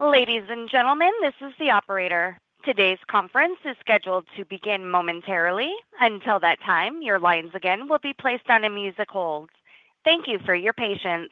Ladies and gentlemen, this is the operator. Today's conference is scheduled to begin momentarily. Until that time, your lines again will be placed on a music hold. Thank you for your patience.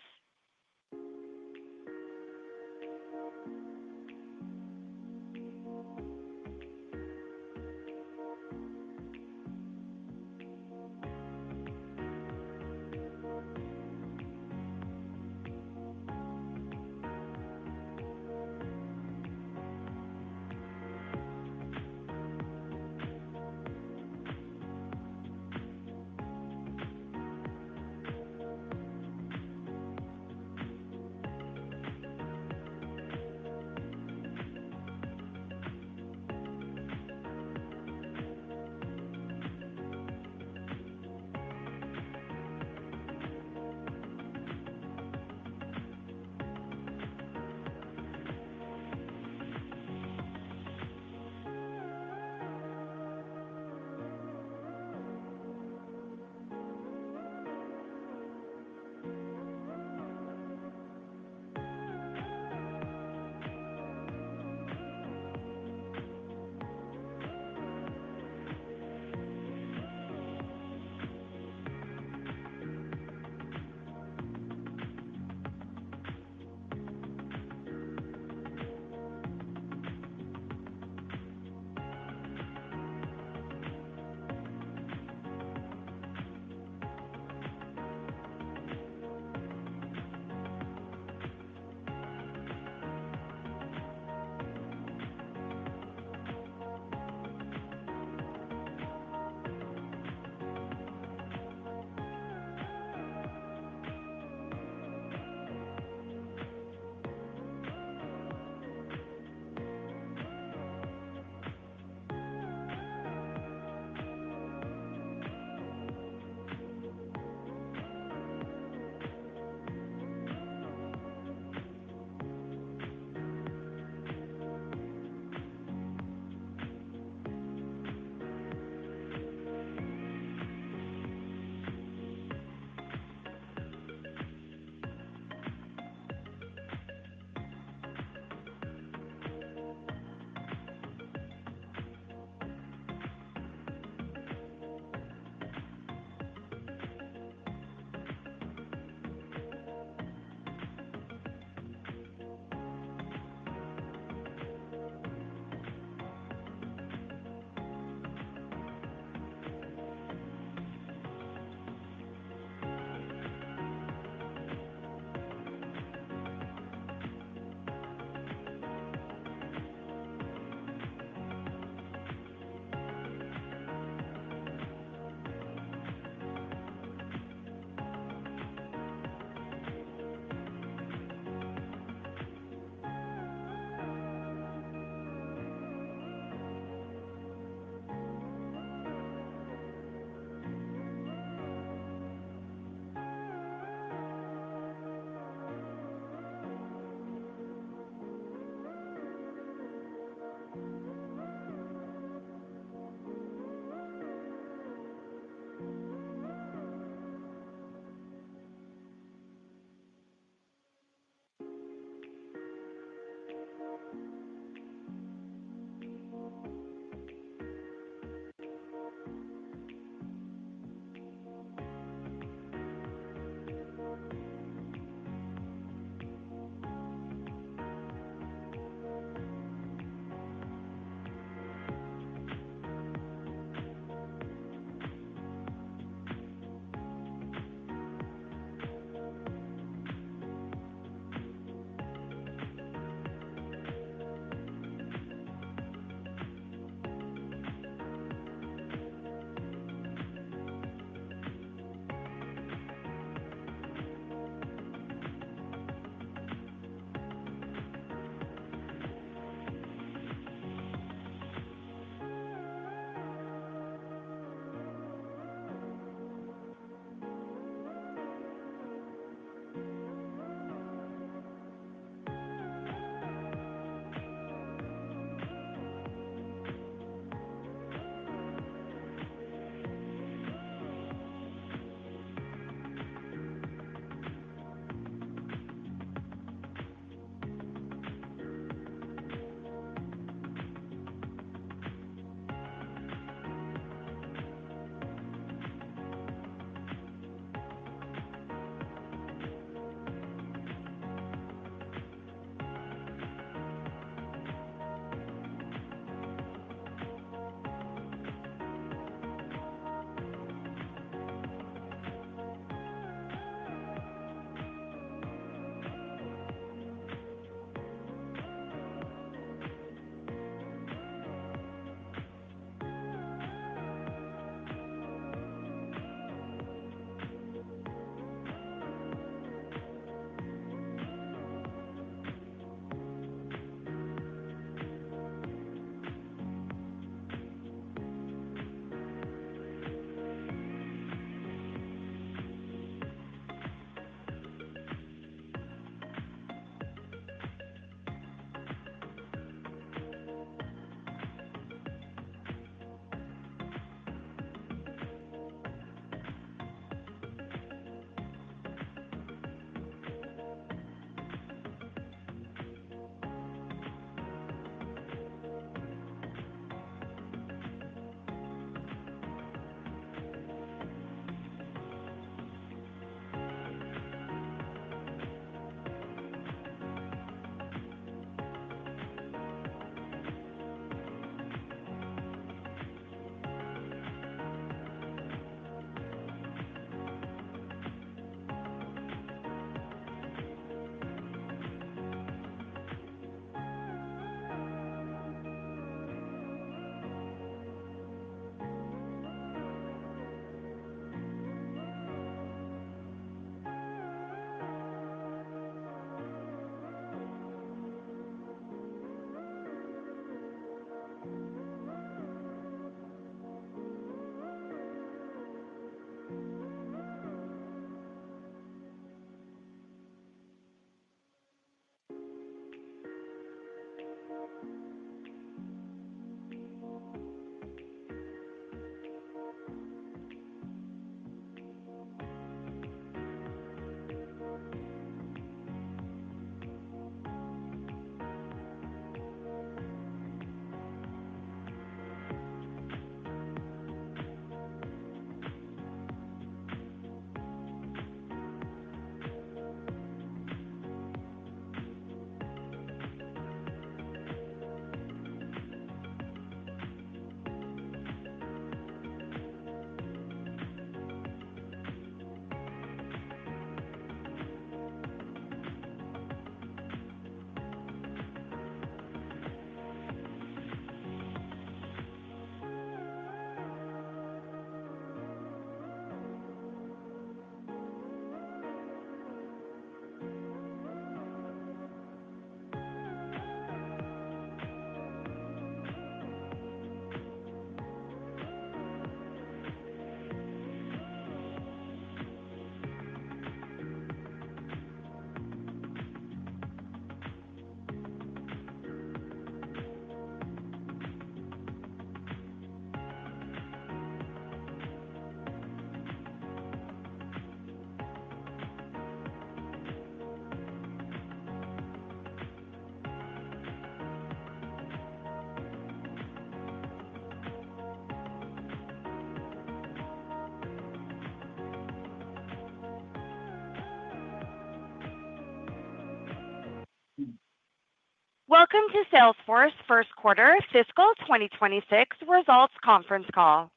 Welcome to Salesforce First Quarter Fiscal 2026 Results Conference Call.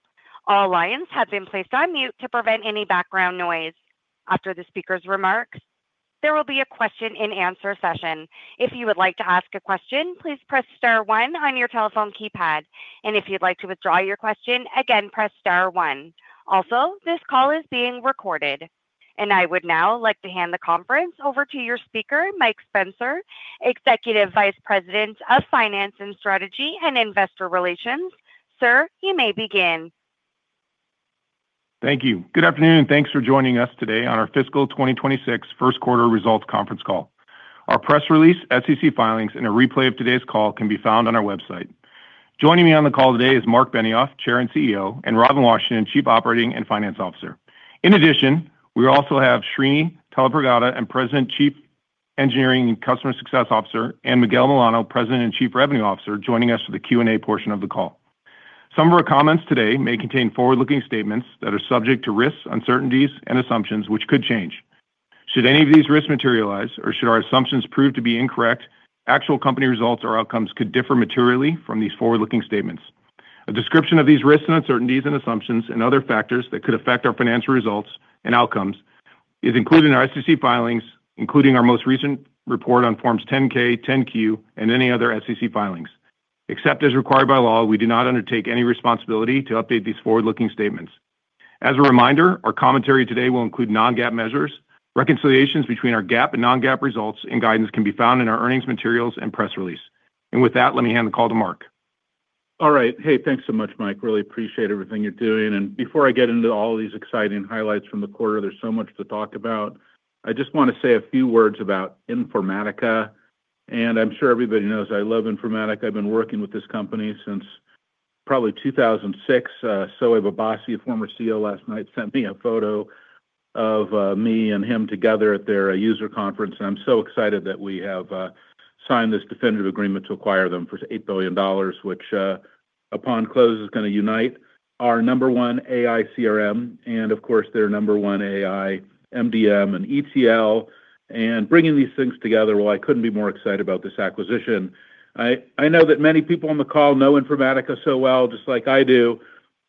All lines have been placed on mute to prevent any background noise. After the speaker's remarks, there will be a question-and-answer session. If you would like to ask a question, please press star one on your telephone keypad. If you'd like to withdraw your question, again, press star one. Also, this call is being recorded. I would now like to hand the conference over to your speaker, Mike Spencer, Executive Vice President of Finance and Strategy and Investor Relations. Sir, you may begin. Thank you. Good afternoon, and thanks for joining us today on our Fiscal 2026 First Quarter Results conference call. Our press release, SEC filings, and a replay of today's call can be found on our website. Joining me on the call today is Marc Benioff, Chair and CEO, and Robin Washington, Chief Operating and Finance Officer. In addition, we also have Srini Tallapragada, President, Chief Engineering and Customer Success Officer, and Miguel Milano, President and Chief Revenue Officer, joining us for the Q&A portion of the call. Some of our comments today may contain forward-looking statements that are subject to risks, uncertainties, and assumptions which could change. Should any of these risks materialize, or should our assumptions prove to be incorrect, actual company results or outcomes could differ materially from these forward-looking statements. A description of these risks and uncertainties and assumptions and other factors that could affect our financial results and outcomes is included in our SEC filings, including our most recent report on Forms 10-K, 10-Q, and any other SEC filings. Except as required by law, we do not undertake any responsibility to update these forward-looking statements. As a reminder, our commentary today will include non-GAAP measures. Reconciliations between our GAAP and non-GAAP results and guidance can be found in our earnings materials and press release. With that, let me hand the call to Mark. All right. Hey, thanks so much, Mike. Really appreciate everything you're doing. Before I get into all these exciting highlights from the quarter, there's so much to talk about. I just want to say a few words about Informatica. I'm sure everybody knows I love Informatica. I've been working with this company since probably 2006. Sohaib Abbasi, a former CEO, last night sent me a photo of me and him together at their user conference. I'm so excited that we have signed this definitive agreement to acquire them for $8 billion, which, upon close, is going to unite our number one AI CRM and, of course, their number one AI MDM and ETL. Bringing these things together, I couldn't be more excited about this acquisition. I know that many people on the call know Informatica so well, just like I do.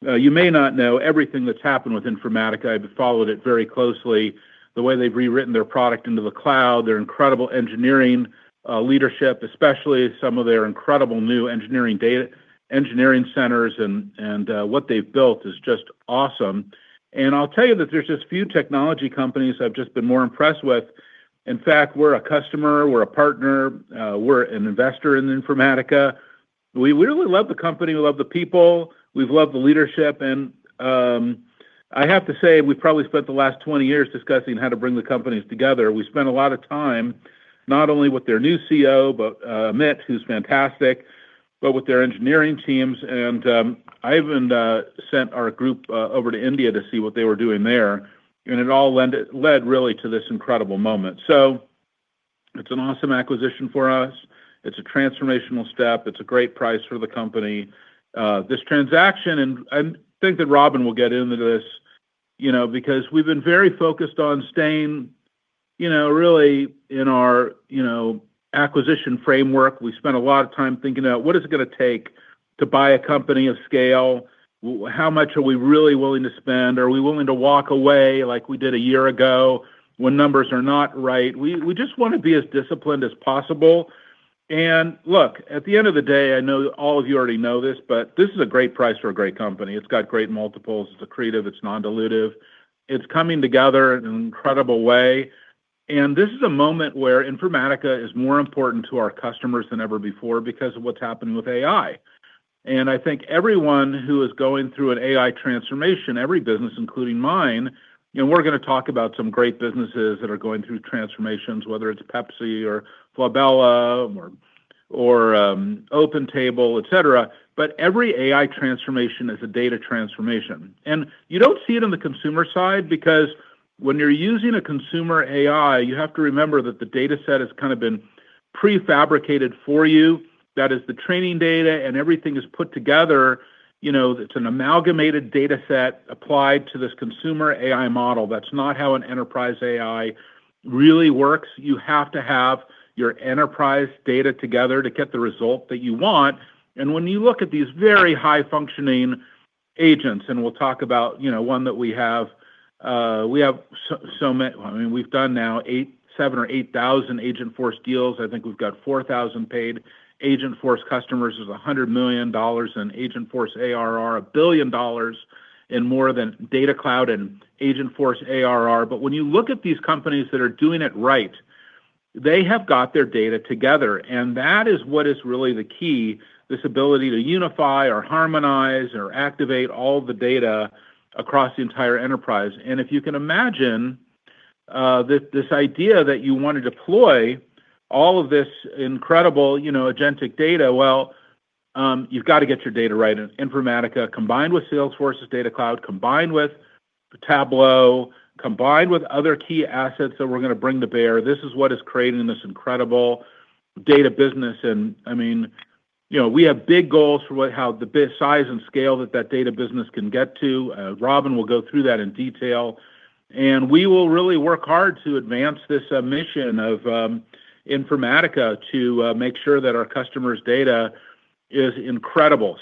You may not know everything that's happened with Informatica. I've followed it very closely, the way they've rewritten their product into the cloud, their incredible engineering leadership, especially some of their incredible new engineering centers. What they've built is just awesome. I'll tell you that there's just a few technology companies I've just been more impressed with. In fact, we're a customer. We're a partner. We're an investor in Informatica. We really love the company. We love the people. We've loved the leadership. I have to say, we've probably spent the last 20 years discussing how to bring the companies together. We spent a lot of time, not only with their new CEO, Amit, who's fantastic, but with their engineering teams. I even sent our group over to India to see what they were doing there. It all led, really, to this incredible moment. It's an awesome acquisition for us. It's a transformational step. It's a great price for the company. This transaction, and I think that Robin will get into this, because we've been very focused on staying really in our acquisition framework. We spent a lot of time thinking about what is it going to take to buy a company of scale? How much are we really willing to spend? Are we willing to walk away like we did a year ago when numbers are not right? We just want to be as disciplined as possible. Look, at the end of the day, I know all of you already know this, but this is a great price for a great company. It's got great multiples. It's accretive. It's non-dilutive. It's coming together in an incredible way. This is a moment where Informatica is more important to our customers than ever before because of what is happening with AI. I think everyone who is going through an AI transformation, every business, including mine, and we are going to talk about some great businesses that are going through transformations, whether it is Pepsi or Falabella or OpenTable, et cetera. Every AI transformation is a data transformation. You do not see it on the consumer side because when you are using a consumer AI, you have to remember that the dataset has kind of been prefabricated for you. That is the training data, and everything is put together. It is an amalgamated dataset applied to this consumer AI model. That is not how an enterprise AI really works. You have to have your enterprise data together to get the result that you want. When you look at these very high-functioning agents, and we'll talk about one that we have, we have so many. I mean, we've done now 7,000 or 8,000 Agentforce deals. I think we've got 4,000 paid Agentforce customers, $100 million in Agentforce ARR, $1 billion in more than Data Cloud and Agentforce ARR. When you look at these companies that are doing it right, they have got their data together. That is what is really the key, this ability to unify or harmonize or activate all the data across the entire enterprise. If you can imagine this idea that you want to deploy all of this incredible agentic data, you've got to get your data right. Informatica combined with Salesforce's Data Cloud, combined with Tableau, combined with other key assets that we're going to bring to bear, this is what is creating this incredible data business. I mean, we have big goals for how the size and scale that that data business can get to. Robin will go through that in detail. We will really work hard to advance this mission of Informatica to make sure that our customers' data is incredible.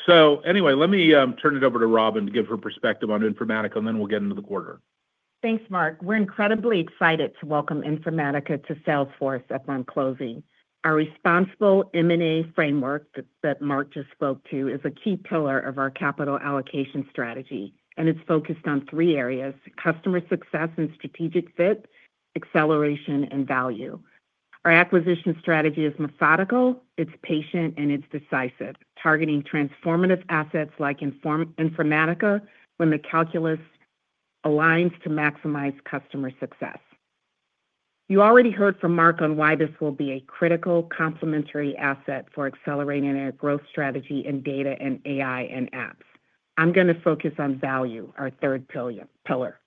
Anyway, let me turn it over to Robin to give her perspective on Informatica, and then we'll get into the quarter. Thanks, Mark. We're incredibly excited to welcome Informatica to Salesforce upon closing. Our responsible M&A framework that Mark just spoke to is a key pillar of our capital allocation strategy. It is focused on three areas: customer success and strategic fit, acceleration, and value. Our acquisition strategy is methodical. It is patient and it is decisive, targeting transformative assets like Informatica when the calculus aligns to maximize customer success. You already heard from Mark on why this will be a critical complementary asset for accelerating our growth strategy in data and AI and apps. I'm going to focus on value, our third pillar.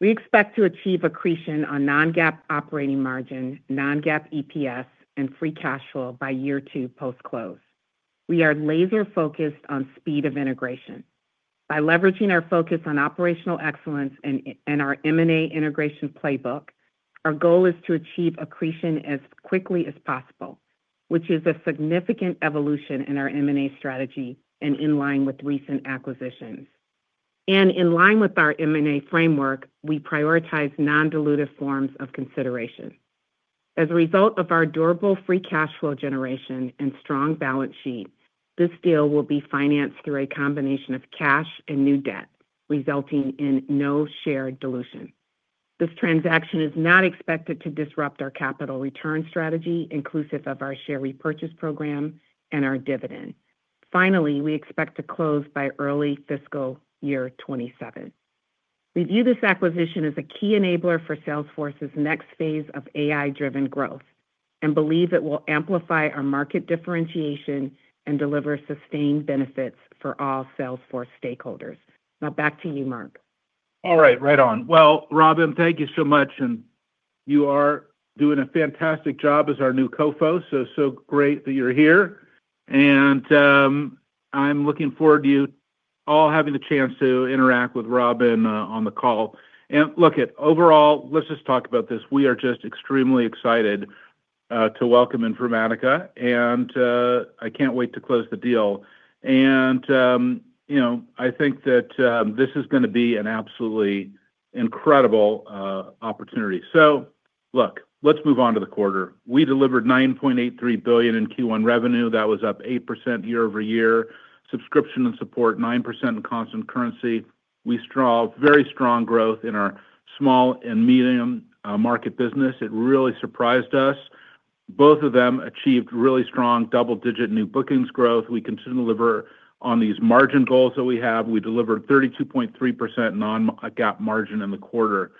We expect to achieve accretion on non-GAAP operating margin, non-GAAP EPS, and free cash flow by year two post-close. We are laser-focused on speed of integration. By leveraging our focus on operational excellence and our M&A integration playbook, our goal is to achieve accretion as quickly as possible, which is a significant evolution in our M&A strategy and in line with recent acquisitions. In line with our M&A framework, we prioritize non-dilutive forms of consideration. As a result of our durable free cash flow generation and strong balance sheet, this deal will be financed through a combination of cash and new debt, resulting in no share dilution. This transaction is not expected to disrupt our capital return strategy, inclusive of our share repurchase program and our dividend. Finally, we expect to close by early fiscal year 2027. We view this acquisition as a key enabler for Salesforce's next phase of AI-driven growth and believe it will amplify our market differentiation and deliver sustained benefits for all Salesforce stakeholders. Now, back to you, Marc. All right. Right on. Robin, thank you so much. You are doing a fantastic job as our new co-founder. So great that you're here. I'm looking forward to you all having the chance to interact with Robin on the call. Look, overall, let's just talk about this. We are just extremely excited to welcome Informatica. I can't wait to close the deal. I think that this is going to be an absolutely incredible opportunity. Look, let's move on to the quarter. We delivered $9.83 billion in Q1 revenue. That was up 8% year over year. Subscription and support, 9% in constant currency. We saw very strong growth in our small and medium market business. It really surprised us. Both of them achieved really strong double-digit new bookings growth. We continue to deliver on these margin goals that we have. We delivered 32.3% non-GAAP margin in the quarter.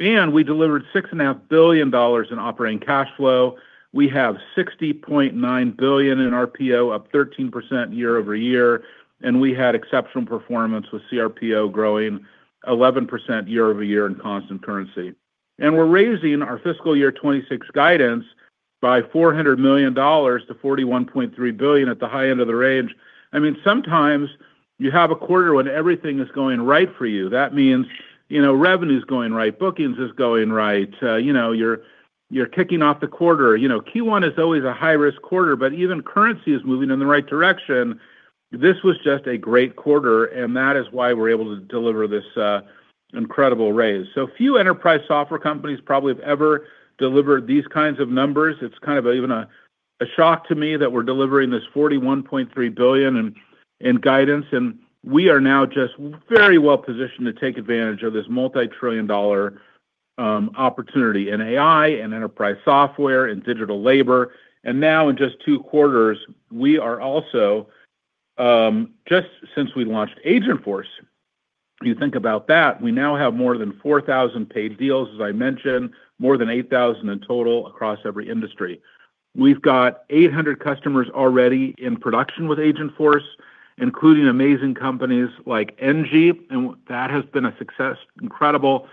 We delivered $6.5 billion in operating cash flow. We have $60.9 billion in RPO, up 13% year-over-year. We had exceptional performance with CRPO growing 11% year-over-year in constant currency. We are raising our fiscal year 2026 guidance by $400 million to $41.3 billion at the high end of the range. I mean, sometimes you have a quarter when everything is going right for you. That means revenue is going right, bookings are going right. You're kicking off the quarter. Q1 is always a high-risk quarter, but even currency is moving in the right direction. This was just a great quarter. That is why we're able to deliver this incredible raise. So few enterprise software companies probably have ever delivered these kinds of numbers. It's kind of even a shock to me that we're delivering this $41.3 billion in guidance. We are now just very well positioned to take advantage of this multi-trillion dollar opportunity in AI and enterprise software and digital labor. Now, in just two quarters, we are also, just since we launched Agentforce, you think about that, we now have more than 4,000 paid deals, as I mentioned, more than 8,000 in total across every industry. We've got 800 customers already in production with Agentforce, including amazing companies like Engie. That has been an incredible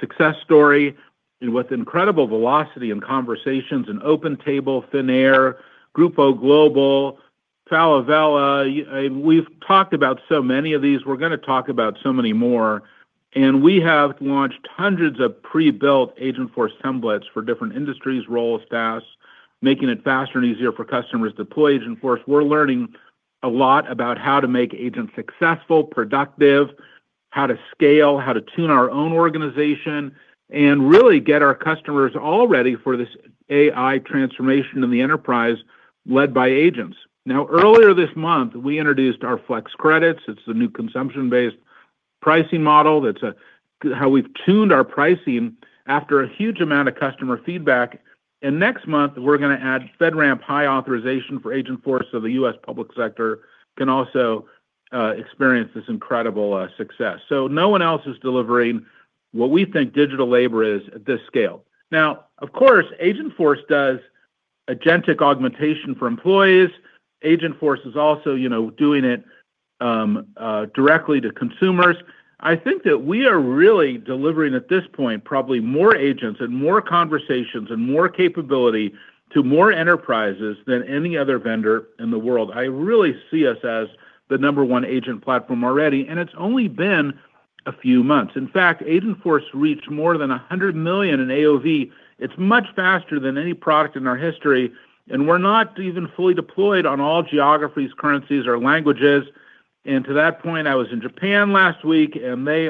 success story with incredible velocity and conversations and OpenTable, Finnair, Grupo Globo, Falabella. We've talked about so many of these. We're going to talk about so many more. We have launched hundreds of pre-built Agentforce templates for different industries, roles, tasks, making it faster and easier for customers to deploy Agentforce. We're learning a lot about how to make agents successful, productive, how to scale, how to tune our own organization, and really get our customers all ready for this AI transformation in the enterprise led by agents. Earlier this month, we introduced our Flex Credits. It's the new consumption-based pricing model. That's how we've tuned our pricing after a huge amount of customer feedback. Next month, we're going to add FedRAMP high authorization for Agentforce so the U.S. public sector can also experience this incredible success. No one else is delivering what we think digital labor is at this scale. Of course, Agentforce does agentic augmentation for employees. Agentforce is also doing it directly to consumers. I think that we are really delivering at this point probably more agents and more conversations and more capability to more enterprises than any other vendor in the world. I really see us as the number one agent platform already. It's only been a few months. In fact, Agentforce reached more than $100 million in AOV. It's much faster than any product in our history. We're not even fully deployed on all geographies, currencies, or languages. To that point, I was in Japan last week, and they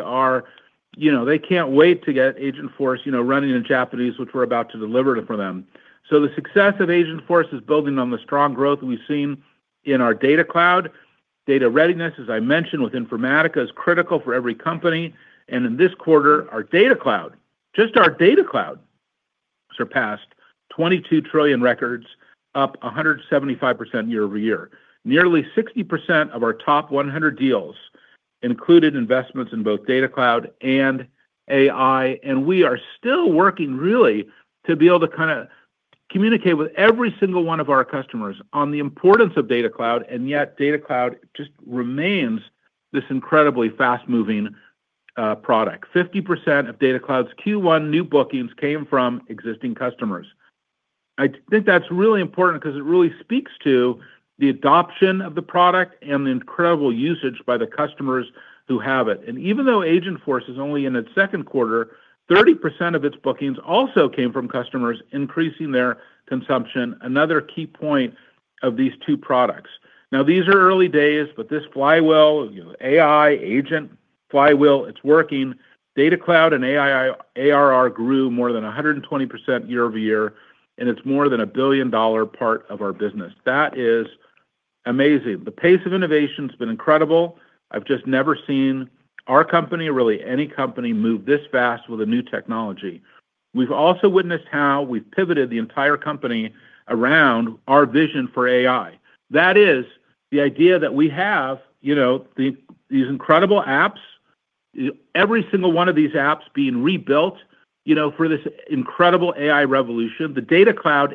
can't wait to get Agentforce running in Japanese, which we're about to deliver for them. The success of Agentforce is building on the strong growth we've seen in our data cloud. Data readiness, as I mentioned, with Informatica is critical for every company. In this quarter, our data cloud, just our data cloud, surpassed 22 trillion records, up 175% year-over-year. Nearly 60% of our top 100 deals included investments in both data cloud and AI. We are still working really to be able to kind of communicate with every single one of our customers on the importance of Data Cloud. Yet, Data Cloud just remains this incredibly fast-moving product. 50% of Data Cloud's Q1 new bookings came from existing customers. I think that's really important because it really speaks to the adoption of the product and the incredible usage by the customers who have it. Even though Agentforce is only in its second quarter, 30% of its bookings also came from customers increasing their consumption, another key point of these two products. These are early days, but this flywheel, AI, agent, flywheel, it's working. Data Cloud and ARR grew more than 120% year-over-year. It's more than a billion-dollar part of our business. That is amazing. The pace of innovation has been incredible. I've just never seen our company, really any company, move this fast with a new technology. We've also witnessed how we've pivoted the entire company around our vision for AI. That is the idea that we have these incredible apps, every single one of these apps being rebuilt for this incredible AI revolution, the Data Cloud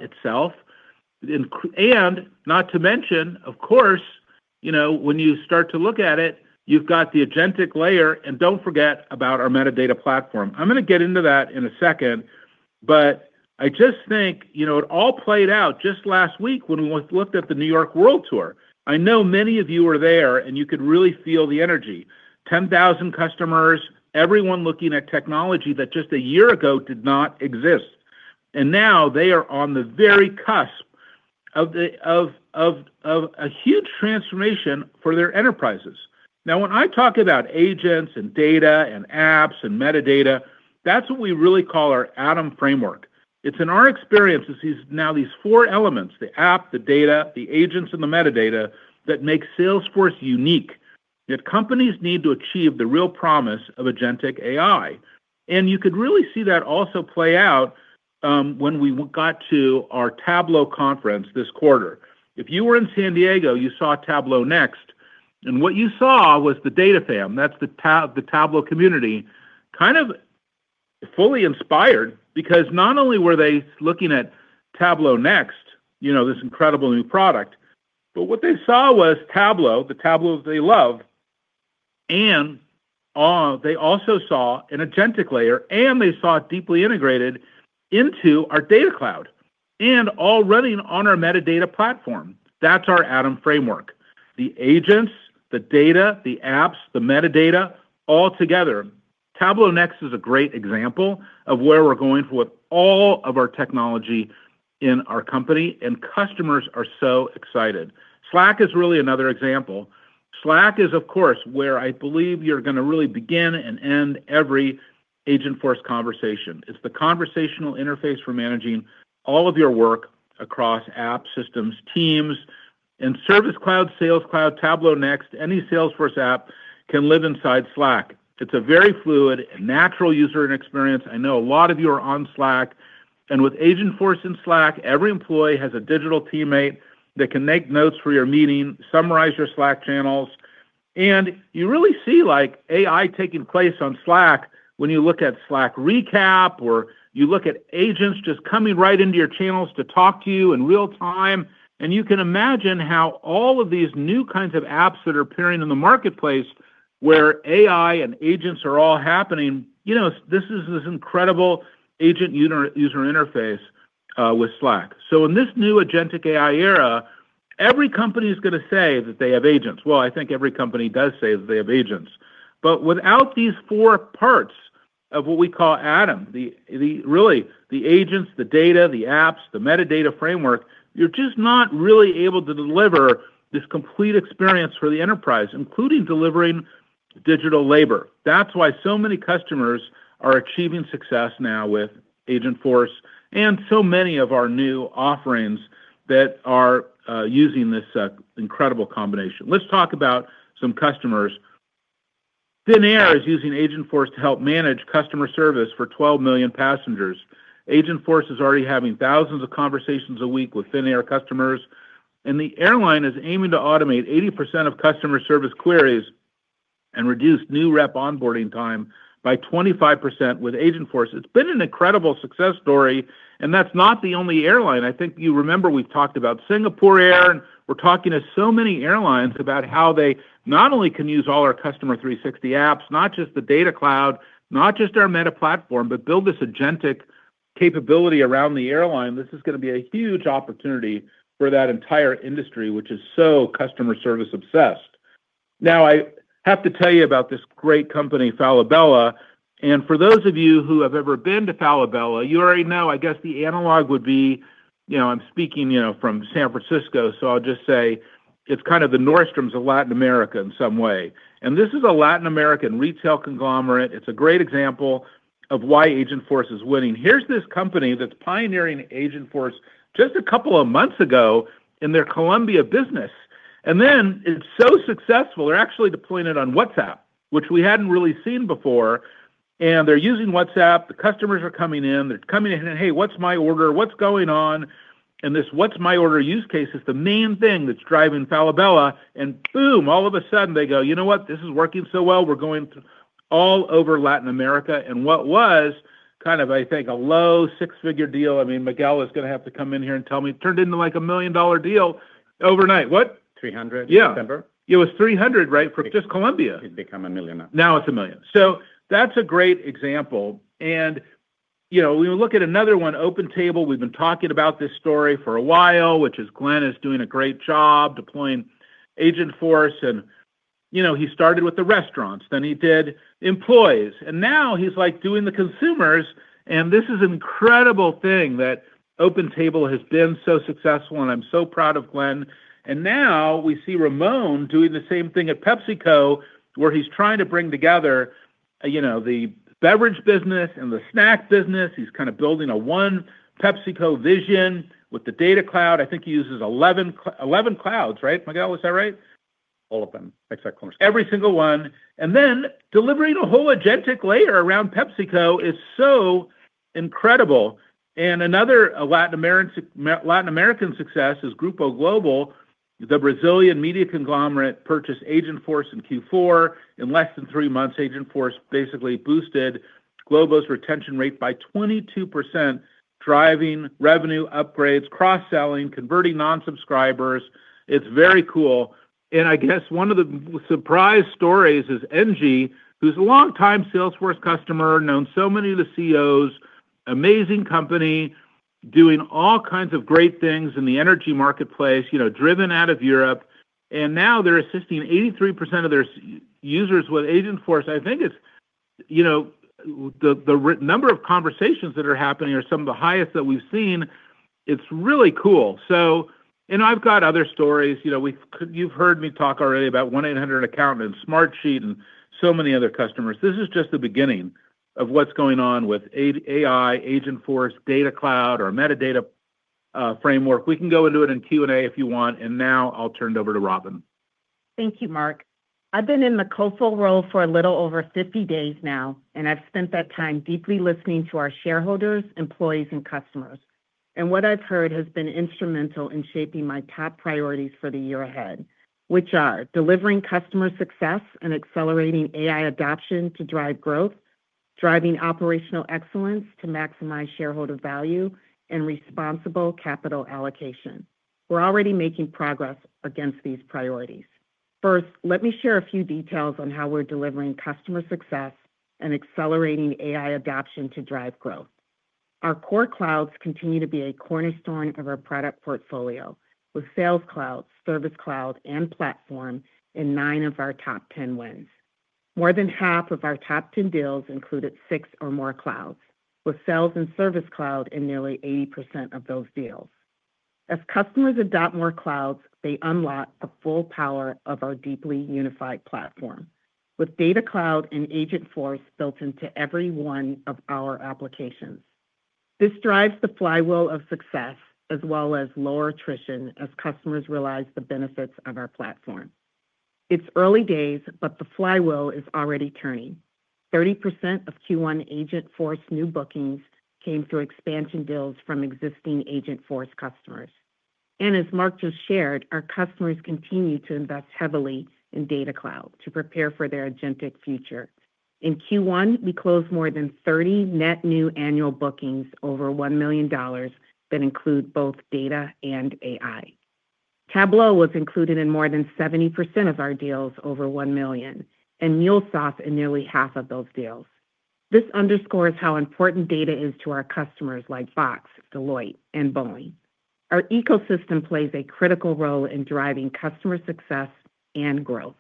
itself. Not to mention, of course, when you start to look at it, you've got the agentic layer. Don't forget about our Metadata platform. I'm going to get into that in a second. I just think it all played out just last week when we looked at the New York World Tour. I know many of you were there, and you could really feel the energy. 10,000 customers, everyone looking at technology that just a year ago did not exist. They are on the very cusp of a huge transformation for their enterprises. When I talk about agents and data and apps and Metadata, that's what we really call our Adam Framework. It is in our experience that now these four elements, the app, the data, the agents, and the Metadata, make Salesforce unique. Companies need to achieve the real promise of agentic AI. You could really see that also play out when we got to our Tableau conference this quarter. If you were in San Diego, you saw Tableau Next. What you saw was the data fam. That is the Tableau community kind of fully inspired because not only were they looking at Tableau Next, this incredible new product, but what they saw was Tableau, the Tableau they love. They also saw an agentic layer, and they saw it deeply integrated into our Data Cloud and already on our Metadata platform. That's our Adam Framework. The agents, the data, the apps, the Metadata all together. Tableau Next is a great example of where we're going with all of our technology in our company, and customers are so excited. Slack is really another example. Slack is, of course, where I believe you're going to really begin and end every Agentforce conversation. It's the conversational interface for managing all of your work across app systems, teams, and Service Cloud, Sales Cloud, Tableau Next, any Salesforce app can live inside Slack. It's a very fluid and natural user experience. I know a lot of you are on Slack. With Agentforce in Slack, every employee has a digital teammate that can make notes for your meeting, summarize your Slack channels. You really see AI taking place on Slack when you look at Slack recap or you look at agents just coming right into your channels to talk to you in real time. You can imagine how all of these new kinds of apps that are appearing in the marketplace where AI and agents are all happening. This is this incredible agent user interface with Slack. In this new agentic AI era, every company is going to say that they have agents. I think every company does say that they have agents. Without these four parts of what we call Adam, really the agents, the data, the apps, the Metadata framework, you are just not really able to deliver this complete experience for the enterprise, including delivering digital labor. That's why so many customers are achieving success now with Agentforce and so many of our new offerings that are using this incredible combination. Let's talk about some customers. Finnair is using Agentforce to help manage customer service for 12 million passengers. Agentforce is already having thousands of conversations a week with Finnair customers. The airline is aiming to automate 80% of customer service queries and reduce new rep onboarding time by 25% with Agentforce. It's been an incredible success story. That's not the only airline. I think you remember we've talked about Singapore Air. We're talking to so many airlines about how they not only can use all our Customer 360 apps, not just the Data Cloud, not just our Metadata platform, but build this agentic capability around the airline. This is going to be a huge opportunity for that entire industry, which is so customer service obsessed. Now, I have to tell you about this great company, Falabella. For those of you who have ever been to Falabella, you already know, I guess the analog would be I'm speaking from San Francisco. I'll just say it's kind of the Nordstrom of Latin America in some way. This is a Latin American retail conglomerate. It's a great example of why Agentforce is winning. Here's this company that's pioneering Agentforce just a couple of months ago in their Colombia business. It's so successful. They're actually deploying it on WhatsApp, which we hadn't really seen before. They're using WhatsApp. The customers are coming in. They're coming in and, "Hey, what's my order? What's going on?" And this what's my order use case is the main thing that's driving Falabella. And boom, all of a sudden, they go, "You know what? This is working so well. We're going all over Latin America." And what was kind of, I think, a low six-figure deal? I mean, Miguel is going to have to come in here and tell me. It turned into like a million-dollar deal overnight. What? $300,000 in December. Yeah. It was $300,000, right, for just Colombia. It became a million now. Now it's a million. So that's a great example. And we look at another one, OpenTable. We've been talking about this story for a while, which is Glenn is doing a great job deploying Agentforce. And he started with the restaurants. Then he did employees. And now he's doing the consumers. This is an incredible thing that OpenTable has been so successful. I'm so proud of Glenn. Now we see Ramon doing the same thing at PepsiCo, where he's trying to bring together the beverage business and the snack business. He's kind of building a one PepsiCo vision with the Data Cloud. I think he uses 11 clouds, right, Miguel? Is that right? All of them. Except Commerce. Every single one. Delivering a whole agentic layer around PepsiCo is so incredible. Another Latin American success is Globo. The Brazilian media conglomerate purchased Agentforce in Q4. In less than three months, Agentforce basically boosted Globo's retention rate by 22%, driving revenue upgrades, cross-selling, converting non-subscribers. It's very cool. I guess one of the surprise stories is Engie, who's a longtime Salesforce customer, known so many of the CEOs, amazing company, doing all kinds of great things in the energy marketplace, driven out of Europe. Now they're assisting 83% of their users with Agentforce. I think the number of conversations that are happening are some of the highest that we've seen. It's really cool. I've got other stories. You've heard me talk already about 1-800 account and Smartsheet and so many other customers. This is just the beginning of what's going on with AI, Agentforce, Data Cloud, or cetadata framework. We can go into it in Q&A if you want. Now I'll turn it over to Robin. Thank you, Marc. I've been in the co-full role for a little over 50 days now. I have spent that time deeply listening to our shareholders, employees, and customers. What I have heard has been instrumental in shaping my top priorities for the year ahead, which are delivering customer success and accelerating AI adoption to drive growth, driving operational excellence to maximize shareholder value, and responsible capital allocation. We are already making progress against these priorities. First, let me share a few details on how we are delivering customer success and accelerating AI adoption to drive growth. Our core clouds continue to be a cornerstone of our product portfolio, with Sales Cloud, Service Cloud, and Platform in nine of our top 10 wins. More than half of our top 10 deals included six or more clouds, with Sales and Service Cloud in nearly 80% of those deals. As customers adopt more clouds, they unlock the full power of our deeply unified platform, with Data Cloud and Agentforce built into every one of our applications. This drives the flywheel of success as well as lower attrition as customers realize the benefits of our platform. It's early days, but the flywheel is already turning. 30% of Q1 Agentforce new bookings came through expansion deals from existing Agentforce customers. As Mark just shared, our customers continue to invest heavily in Data Cloud to prepare for their agentic future. In Q1, we closed more than 30 net new annual bookings over $1 million that include both data and AI. Tableau was included in more than 70% of our deals over $1 million, and MuleSoft in nearly half of those deals. This underscores how important data is to our customers like Fox, Deloitte, and Boeing. Our ecosystem plays a critical role in driving customer success and growth.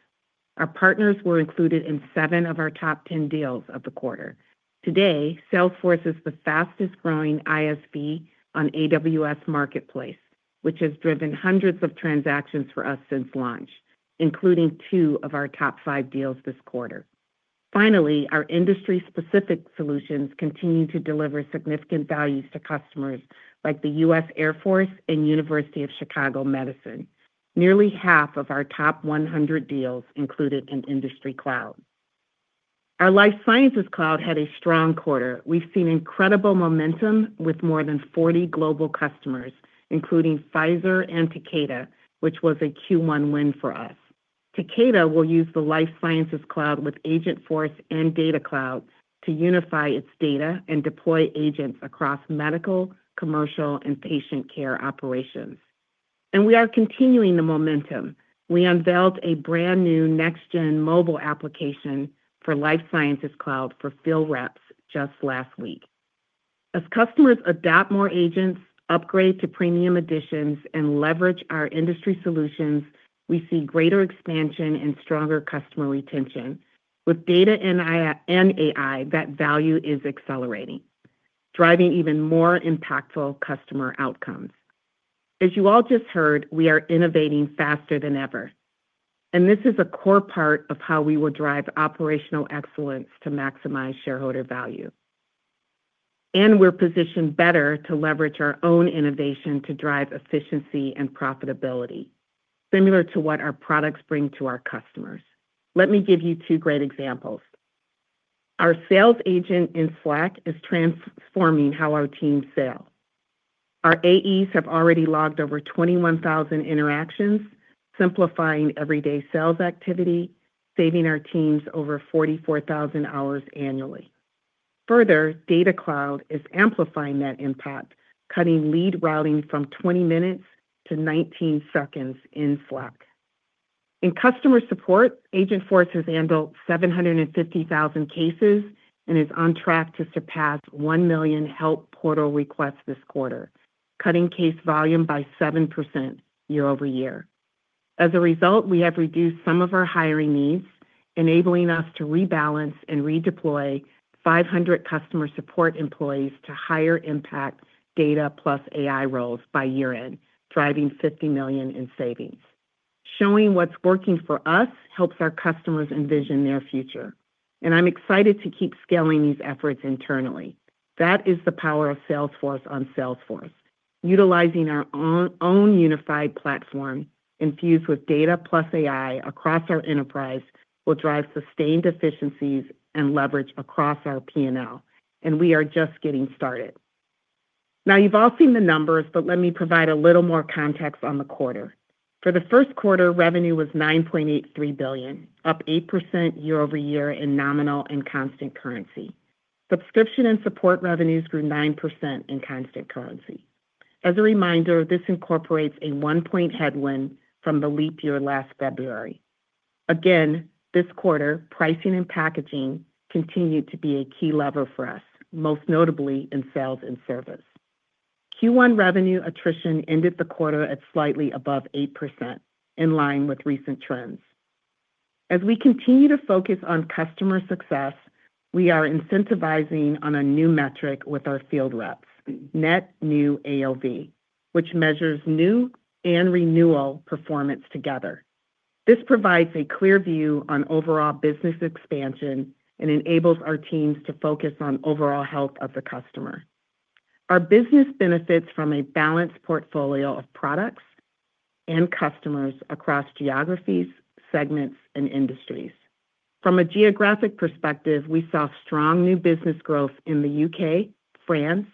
Our partners were included in seven of our top 10 deals of the quarter. Today, Salesforce is the fastest-growing ISV on AWS Marketplace, which has driven hundreds of transactions for us since launch, including two of our top five deals this quarter. Finally, our industry-specific solutions continue to deliver significant values to customers like the U.S. Air Force and University of Chicago Medicine. Nearly half of our top 100 deals included an industry cloud. Our life sciences cloud had a strong quarter. We've seen incredible momentum with more than 40 global customers, including Pfizer and Takeda, which was a Q1 win for us. Takeda will use the life sciences cloud with Agentforce and Data Cloud to unify its data and deploy agents across medical, commercial, and patient care operations. We are continuing the momentum. We unveiled a brand new next-gen mobile application for Life Sciences Cloud for field reps just last week. As customers adopt more agents, upgrade to premium editions, and leverage our industry solutions, we see greater expansion and stronger customer retention. With data and AI, that value is accelerating, driving even more impactful customer outcomes. As you all just heard, we are innovating faster than ever. This is a core part of how we will drive operational excellence to maximize shareholder value. We are positioned better to leverage our own innovation to drive efficiency and profitability, similar to what our products bring to our customers. Let me give you two great examples. Our sales agent in Slack is transforming how our teams sell. Our AEs have already logged over 21,000 interactions, simplifying everyday sales activity, saving our teams over 44,000 hours annually. Further, Data Cloud is amplifying that impact, cutting lead routing from 20 minutes to 19 seconds in Slack. In customer support, Agentforce has handled 750,000 cases and is on track to surpass one million help portal requests this quarter, cutting case volume by 7% year-over-year. As a result, we have reduced some of our hiring needs, enabling us to rebalance and redeploy 500 customer support employees to higher impact data plus AI roles by year-end, driving $50 million in savings. Showing what is working for us helps our customers envision their future. I am excited to keep scaling these efforts internally. That is the power of Salesforce on Salesforce. Utilizing our own unified platform infused with data plus AI across our enterprise will drive sustained efficiencies and leverage across our P&L. We are just getting started. Now, you've all seen the numbers, but let me provide a little more context on the quarter. For the first quarter, revenue was $9.83 billion, up 8% year-over-year in nominal and constant currency. Subscription and support revenues grew 9% in constant currency. As a reminder, this incorporates a one-point headwind from the leap year last February. This quarter, pricing and packaging continued to be a key lever for us, most notably in sales and service. Q1 revenue attrition ended the quarter at slightly above 8%, in line with recent trends. As we continue to focus on customer success, we are incentivizing on a new metric with our field reps, net new AOV, which measures new and renewal performance together. This provides a clear view on overall business expansion and enables our teams to focus on overall health of the customer. Our business benefits from a balanced portfolio of products and customers across geographies, segments, and industries. From a geographic perspective, we saw strong new business growth in the U.K., France,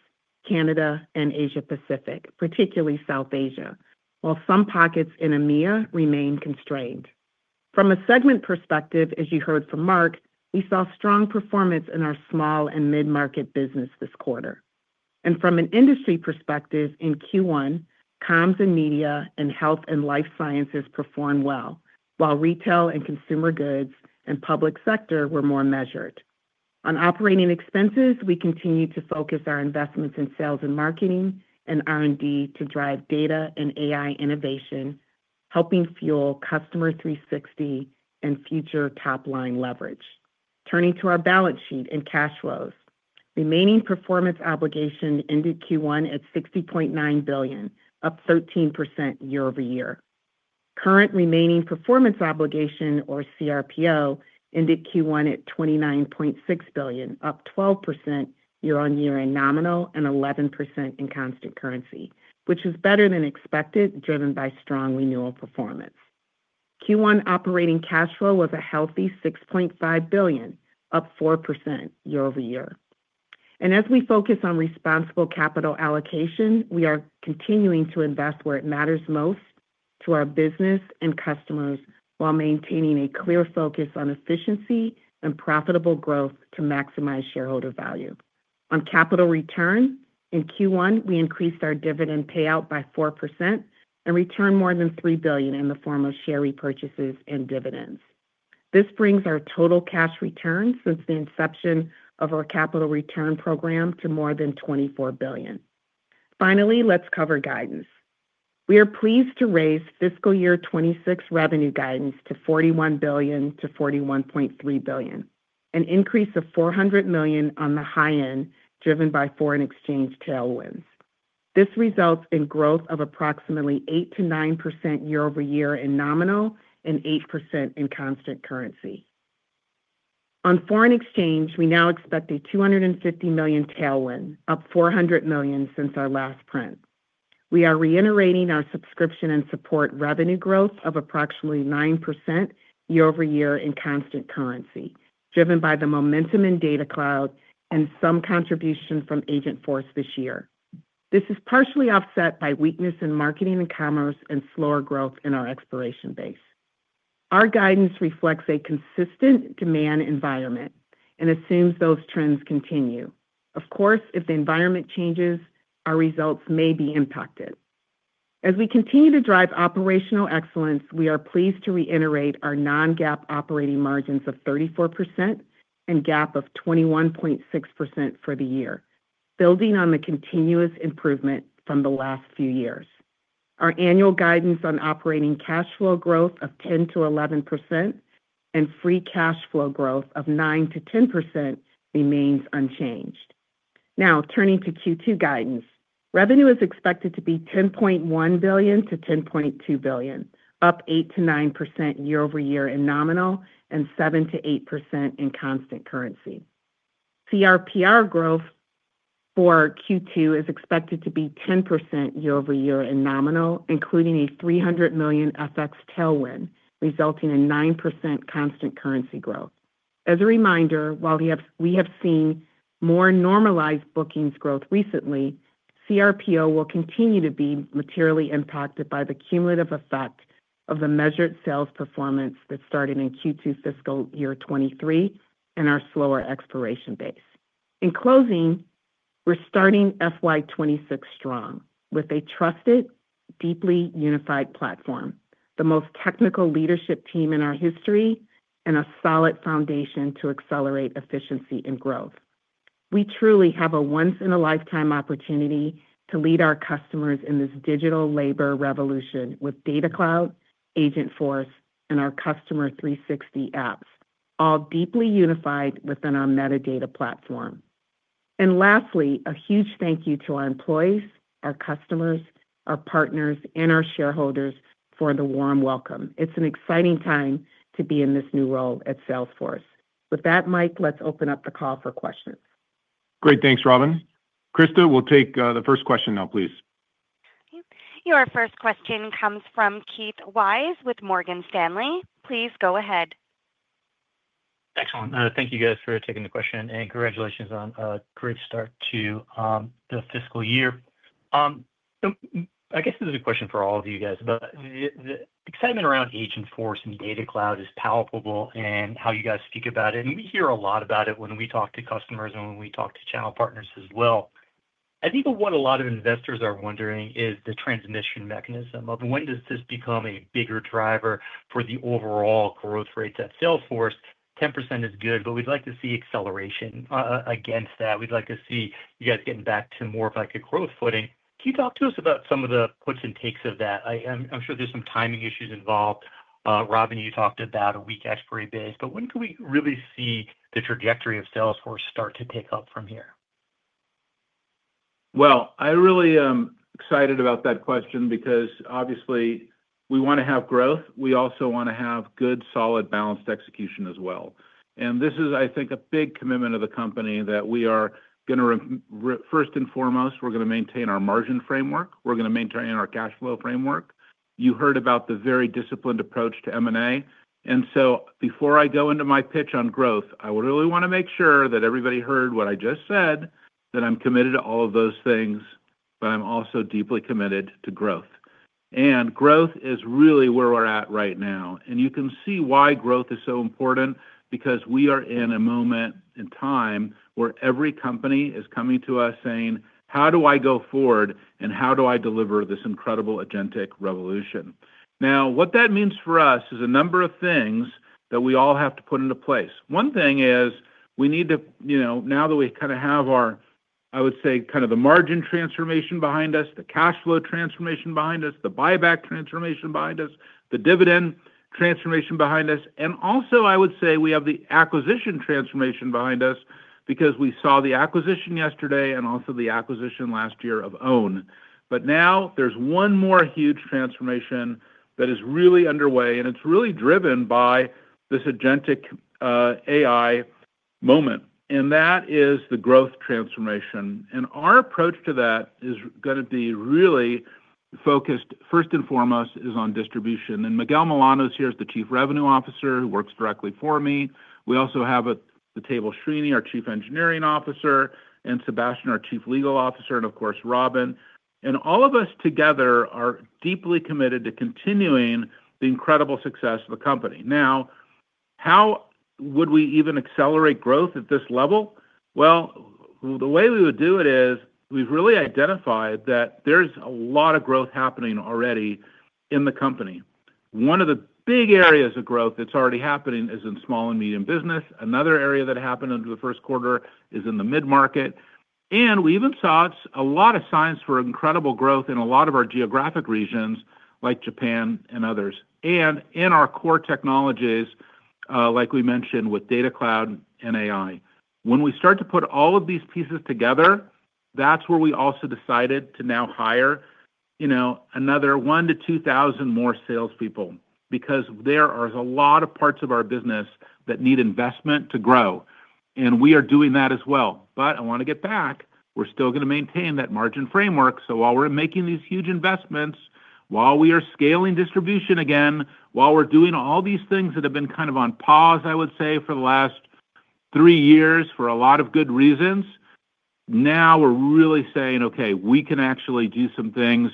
Canada, and Asia-Pacific, particularly South Asia, while some pockets in EMEA remain constrained. From a segment perspective, as you heard from Marc, we saw strong performance in our small and mid-market business this quarter. From an industry perspective, in Q1, comms and media and health and life sciences performed well, while retail and consumer goods and public sector were more measured. On operating expenses, we continue to focus our investments in sales and marketing and R&D to drive data and AI innovation, helping fuel Customer 360 and future top-line leverage. Turning to our balance sheet and cash flows, remaining performance obligation ended Q1 at $60.9 billion, up 13% year-over-year. Current remaining performance obligation, or CRPO, ended Q1 at $29.6 billion, up 12% year on year in nominal and 11% in constant currency, which was better than expected, driven by strong renewal performance. Q1 operating cash flow was a healthy $6.5 billion, up 4% year-over-year. As we focus on responsible capital allocation, we are continuing to invest where it matters most to our business and customers while maintaining a clear focus on efficiency and profitable growth to maximize shareholder value. On capital return, in Q1, we increased our dividend payout by 4% and returned more than $3 billion in the form of share repurchases and dividends. This brings our total cash return since the inception of our capital return program to more than $24 billion. Finally, let's cover guidance. We are pleased to raise fiscal year 2026 revenue guidance to $41 billion-$41.3 billion, an increase of $400 million on the high end, driven by foreign exchange tailwinds. This results in growth of approximately 8%-9% year-over-year in nominal and 8% in constant currency. On foreign exchange, we now expect a $250 million tailwind, up $400 million since our last print. We are reiterating our subscription and support revenue growth of approximately 9% year-over-year in constant currency, driven by the momentum in Data Cloud and some contribution from Agentforce this year. This is partially offset by weakness in marketing and commerce and slower growth in our exploration base. Our guidance reflects a consistent demand environment and assumes those trends continue. Of course, if the environment changes, our results may be impacted. As we continue to drive operational excellence, we are pleased to reiterate our non-GAAP operating margins of 34% and GAAP of 21.6% for the year, building on the continuous improvement from the last few years. Our annual guidance on operating cash flow growth of 10-11% and free cash flow growth of 9-10% remains unchanged. Now, turning to Q2 guidance, revenue is expected to be $10.1 billion-$10.2 billion, up 8-9% year-over-year in nominal and 7-8% in constant currency. CRPO growth for Q2 is expected to be 10% year-over-year in nominal, including a $300 million FX tailwind, resulting in 9% constant currency growth. As a reminder, while we have seen more normalized bookings growth recently, CRPO will continue to be materially impacted by the cumulative effect of the measured sales performance that started in Q2 fiscal year 2023 and our slower exploration base. In closing, we're starting fiscal year 2026 strong with a trusted, deeply unified platform, the most technical leadership team in our history, and a solid foundation to accelerate efficiency and growth. We truly have a once-in-a-lifetime opportunity to lead our customers in this digital labor revolution with Data Cloud, Agentforce, and our Customer 360 apps, all deeply unified within our Metadata platform. Lastly, a huge thank you to our employees, our customers, our partners, and our shareholders for the warm welcome. It's an exciting time to be in this new role at Salesforce. With that, Mike, let's open up the call for questions. Great. Thanks, Robin. Christa, we'll take the first question now, please. Your first question comes from Keith Weiss with Morgan Stanley. Please go ahead. Excellent. Thank you, guys, for taking the question. And congratulations on a great start to the fiscal year. I guess this is a question for all of you guys, but the excitement around Agentforce and Data Cloud is palpable in how you guys speak about it. We hear a lot about it when we talk to customers and when we talk to channel partners as well. I think what a lot of investors are wondering is the transmission mechanism of when does this become a bigger driver for the overall growth rate at Salesforce. 10% is good, but we'd like to see acceleration against that. We'd like to see you guys getting back to more of like a growth footing. Can you talk to us about some of the puts and takes of that? I'm sure there's some timing issues involved. Robin, you talked about a weak expiry base, but when can we really see the trajectory of Salesforce start to pick up from here? I'm really excited about that question because, obviously, we want to have growth. We also want to have good, solid, balanced execution as well. This is, I think, a big commitment of the company that we are going to, first and foremost, we're going to maintain our margin framework. We're going to maintain our cash flow framework. You heard about the very disciplined approach to M&A. Before I go into my pitch on growth, I really want to make sure that everybody heard what I just said, that I'm committed to all of those things, but I'm also deeply committed to growth. Growth is really where we're at right now. You can see why growth is so important because we are in a moment in time where every company is coming to us saying, "How do I go forward? And how do I deliver this incredible agentic revolution?" What that means for us is a number of things that we all have to put into place. One thing is we need to, now that we kind of have our, I would say, kind of the margin transformation behind us, the cash flow transformation behind us, the buyback transformation behind us, the dividend transformation behind us. I would also say we have the acquisition transformation behind us because we saw the acquisition yesterday and also the acquisition last year of OWN. Now there is one more huge transformation that is really underway, and it is really driven by this agentic AI moment. That is the growth transformation. Our approach to that is going to be really focused, first and foremost, on distribution. Miguel Milano is here, the Chief Revenue Officer, who works directly for me. We also have at the table Srini, our Chief Engineering Officer, and Sabastian, our Chief Legal Officer, and of course, Robin. All of us together are deeply committed to continuing the incredible success of the company. Now, how would we even accelerate growth at this level? The way we would do it is we've really identified that there's a lot of growth happening already in the company. One of the big areas of growth that's already happening is in small and medium business. Another area that happened in the first quarter is in the mid-market. We even saw a lot of signs for incredible growth in a lot of our geographic regions, like Japan and others, and in our core technologies, like we mentioned, with Data Cloud and AI. When we start to put all of these pieces together, that's where we also decided to now hire another 1,000-2,000 more salespeople because there are a lot of parts of our business that need investment to grow. We are doing that as well. I want to get back. We're still going to maintain that margin framework. While we're making these huge investments, while we are scaling distribution again, while we're doing all these things that have been kind of on pause, I would say, for the last three years for a lot of good reasons, now we're really saying, "Okay, we can actually do some things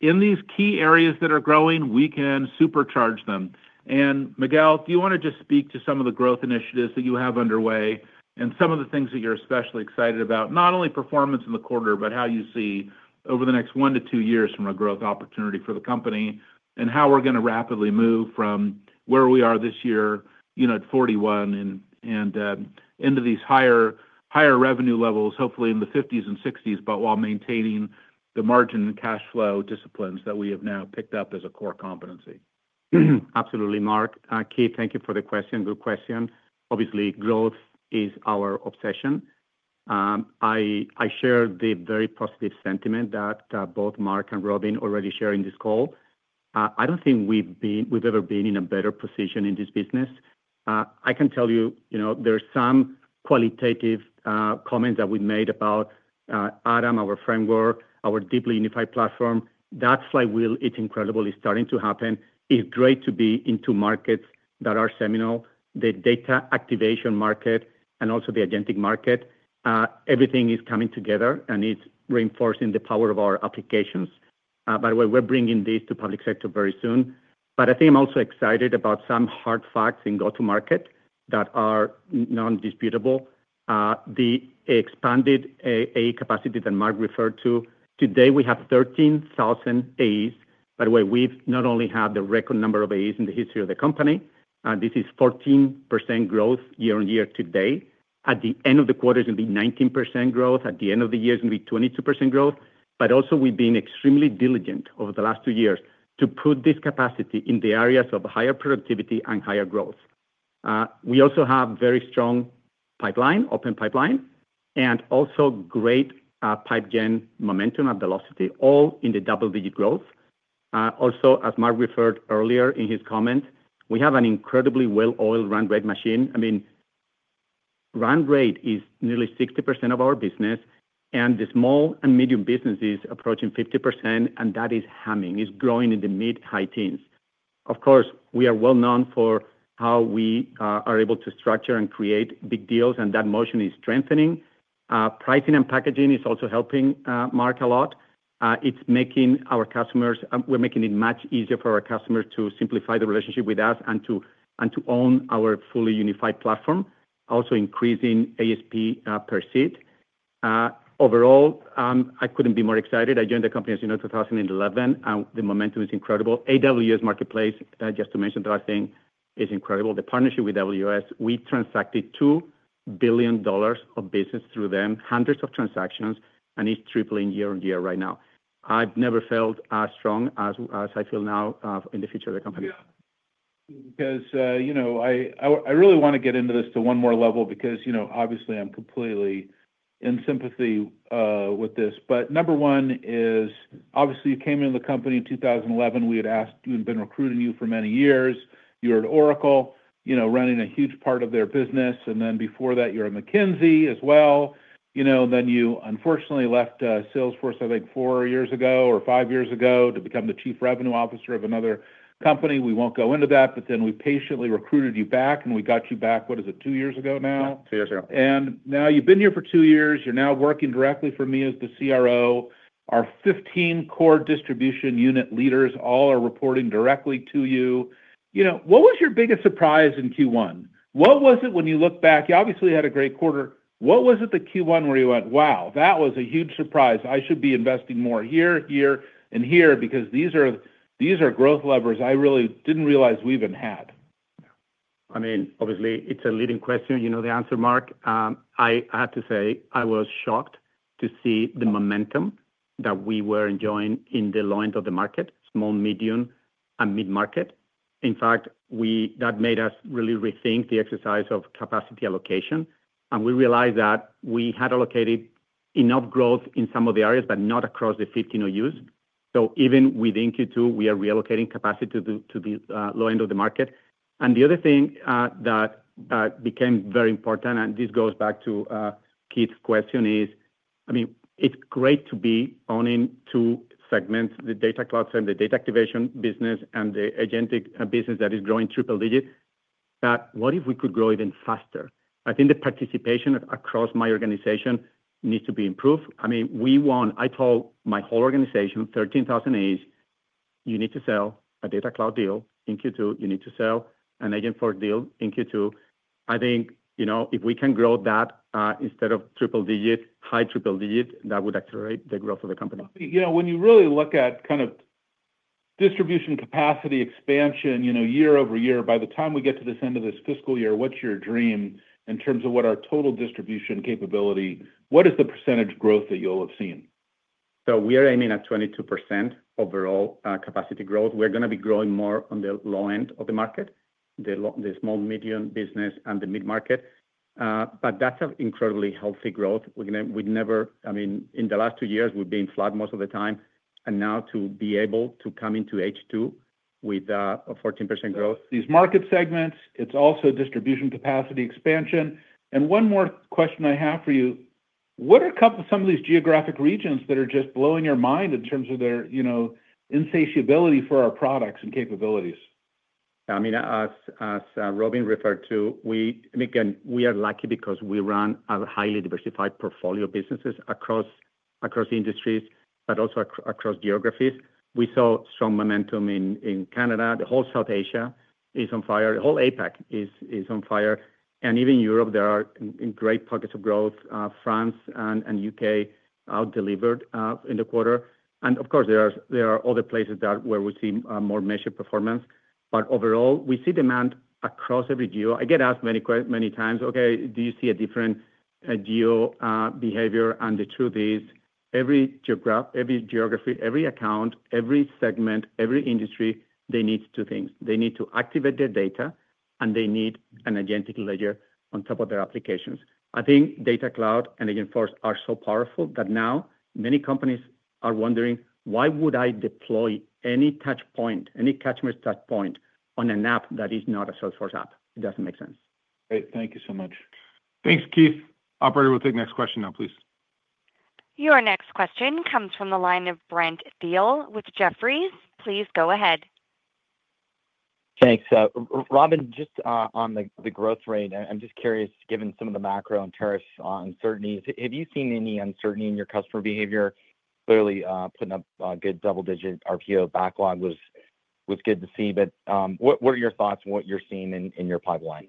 in these key areas that are growing. We can supercharge them." Miguel, do you want to just speak to some of the growth initiatives that you have underway and some of the things that you're especially excited about, not only performance in the quarter, but how you see over the next one to two years from a growth opportunity for the company and how we're going to rapidly move from where we are this year at $41 billion and into these higher revenue levels, hopefully in the $50 billion-$60 billion range, but while maintaining the margin and cash flow disciplines that we have now picked up as a core competency. Absolutely, Mark. Keith, thank you for the question. Good question. Obviously, growth is our obsession. I share the very positive sentiment that both Marc and Robin already share in this call. I don't think we've ever been in a better position in this business. I can tell you there are some qualitative comments that we made about Adam, our framework, our deeply unified platform. That's like it's incredible. It's starting to happen. It's great to be into markets that are seminal, the data activation market, and also the agentic market. Everything is coming together, and it's reinforcing the power of our applications. By the way, we're bringing this to public sector very soon. I think I'm also excited about some hard facts in go-to-market that are non-disputable. The expanded AE capacity that Mark referred to, today we have 13,000 AEs. By the way, we've not only had the record number of AEs in the history of the company. This is 14% growth year on year today. At the end of the quarter, it's going to be 19% growth. At the end of the year, it's going to be 22% growth. Also, we've been extremely diligent over the last two years to put this capacity in the areas of higher productivity and higher growth. We also have very strong pipeline, open pipeline, and also great pipe-gen momentum and velocity, all in the double-digit growth. Also, as Mark referred earlier in his comments, we have an incredibly well-oiled run rate machine. I mean, run rate is nearly 60% of our business, and the small and medium businesses approaching 50%, and that is hamming. It's growing in the mid-high teens. Of course, we are well known for how we are able to structure and create big deals, and that motion is strengthening. Pricing and packaging is also helping Mark a lot. It's making our customers—we're making it much easier for our customers to simplify the relationship with us and to own our fully unified platform, also increasing ASP per seat. Overall, I couldn't be more excited. I joined the company, as you know, in 2011, and the momentum is incredible. AWS Marketplace, just to mention the last thing, is incredible. The partnership with AWS, we transacted $2 billion of business through them, hundreds of transactions, and it's tripling year on year right now. I've never felt as strong as I feel now in the future of the company. Yeah. Because I really want to get into this to one more level because, obviously, I'm completely in sympathy with this. Number one is, obviously, you came into the company in 2011. We had asked you and been recruiting you for many years. You were at Oracle, running a huge part of their business. And then before that, you were at McKinsey as well. You unfortunately left Salesforce, I think, four years ago or five years ago to become the Chief Revenue Officer of another company. We won't go into that, but we patiently recruited you back, and we got you back, what is it, two years ago now? Two years ago. You have been here for two years. You are now working directly for me as the CRO. Our 15 core distribution unit leaders all are reporting directly to you. What was your biggest surprise in Q1? What was it when you look back? You obviously had a great quarter. What was it in Q1 where you went, "Wow, that was a huge surprise. I should be investing more here, here, and here because these are growth levers I really did not realize we even had"? I mean, obviously, it is a leading question. You know the answer, Marc. I have to say I was shocked to see the momentum that we were enjoying in the low end of the market, small, medium, and mid-market. In fact, that made us really rethink the exercise of capacity allocation. We realized that we had allocated enough growth in some of the areas, but not across the 15 OUs. Even within Q2, we are reallocating capacity to the low end of the market. The other thing that became very important, and this goes back to Keith's question, is, I mean, it's great to be owning two segments, the Data Cloud segment, the data activation business, and the agentic business that is growing triple-digit. What if we could grow even faster? I think the participation across my organization needs to be improved. I mean, I told my whole organization, "13,000 AEs, you need to sell a Data Cloud deal in Q2. You need to sell an Agentforce deal in Q2." I think if we can grow that instead of triple-digit, high triple-digit, that would accelerate the growth of the company. When you really look at kind of distribution capacity expansion year-over-year, by the time we get to this end of this fiscal year, what's your dream in terms of what our total distribution capability? What is the percentage growth that you'll have seen? We are aiming at 22% overall capacity growth. We're going to be growing more on the low end of the market, the small, medium business, and the mid-market. That's an incredibly healthy growth. I mean, in the last t wo years, we've been flat most of the time. Now to be able to come into H2 with a 14% growth. These market segments, it's also distribution capacity expansion. One more question I have for you. What are some of these geographic regions that are just blowing your mind in terms of their insatiability for our products and capabilities? I mean, as Robin referred to, again, we are lucky because we run a highly diversified portfolio of businesses across industries, but also across geographies. We saw strong momentum in Canada. The whole South Asia is on fire. The whole APEC is on fire. Even Europe, there are great pockets of growth. France and the U.K. outdelivered in the quarter. Of course, there are other places where we see more measured performance. Overall, we see demand across every geo. I get asked many times, "Okay, do you see a different geo behavior?" The truth is, every geography, every account, every segment, every industry, they need two things. They need to activate their data, and they need an agentic ledger on top of their applications. I think Data Cloud and Agentforce are so powerful that now many companies are wondering, "Why would I deploy any touchpoint, any customer's touchpoint on an app that is not a Salesforce app?" It does not make sense. Great. Thank you so much. Thanks, Keith. Operator, we will take the next question now, please. Your next question comes from the line of Brent Thill with Jefferies. Please go ahead. Thanks. Robin, just on the growth rate, I am just curious, given some of the macro and tariff uncertainty, have you seen any uncertainty in your customer behavior? Clearly, putting up a good double-digit RPO backlog was good to see. What are your thoughts on what you're seeing in your pipeline?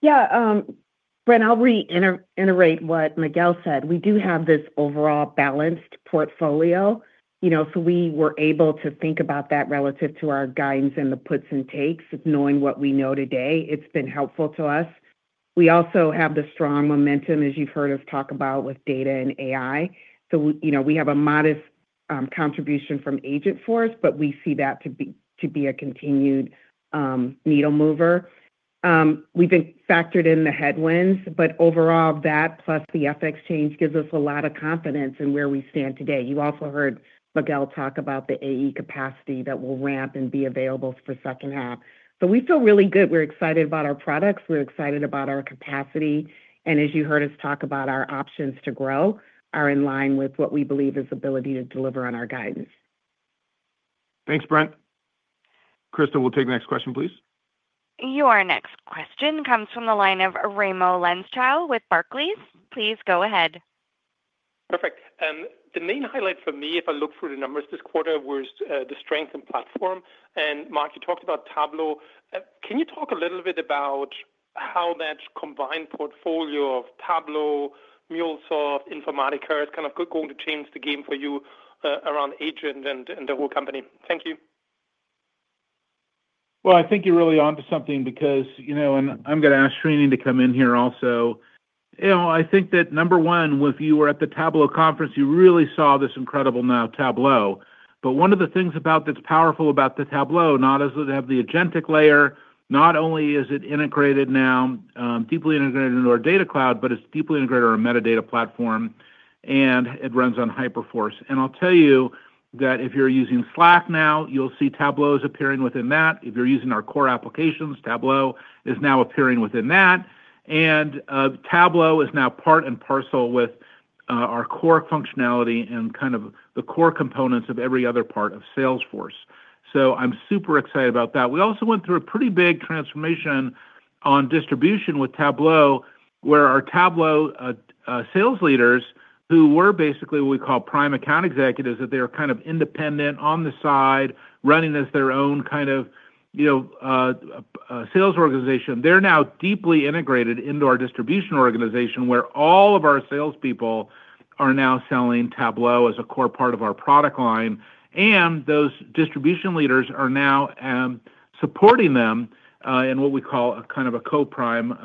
Yeah. Brent, I'll reiterate what Miguel said. We do have this overall balanced portfolio. We were able to think about that relative to our guidance and the puts and takes, knowing what we know today. It's been helpful to us. We also have the strong momentum, as you've heard us talk about, with data and AI. We have a modest contribution from Agentforce, but we see that to be a continued needle mover. We've factored in the headwinds, but overall, that plus the FX change gives us a lot of confidence in where we stand today. You also heard Miguel talk about the AE capacity that will ramp and be available for second half. We feel really good. We're excited about our products. We're excited about our capacity. As you heard us talk about, our options to grow are in line with what we believe is the ability to deliver on our guidance. Thanks, Brent. Crystal, we'll take the next question, please. Your next question comes from the line of Lenschow with Barclays. Please go ahead. Perfect. The main highlight for me, if I look through the numbers this quarter, was the strength in platform. Mark, you talked about Tableau. Can you talk a little bit about how that combined portfolio of Tableau, MuleSoft, Informatica is kind of going to change the game for you around agent and the whole company? Thank you. I think you're really on to something because I'm going to ask Srini to come in here also. I think that number one, if you were at the Tableau conference, you really saw this incredible now Tableau. One of the things that's powerful about the Tableau, not as we have the agentic layer, not only is it integrated now, deeply integrated into our Data Cloud, but it's deeply integrated into our Metadata Platform, and it runs on Hyperforce. I'll tell you that if you're using Slack now, you'll see Tableau is appearing within that. If you're using our core applications, Tableau is now appearing within that. Tableau is now part and parcel with our core functionality and kind of the core components of every other part of Salesforce. I am super excited about that. We also went through a pretty big transformation on distribution with Tableau, where our Tableau sales leaders, who were basically what we call prime account executives, that they were kind of independent on the side, running as their own kind of sales organization. They are now deeply integrated into our distribution organization, where all of our salespeople are now selling Tableau as a core part of our product line. Those distribution leaders are now supporting them in what we call kind of a co-prime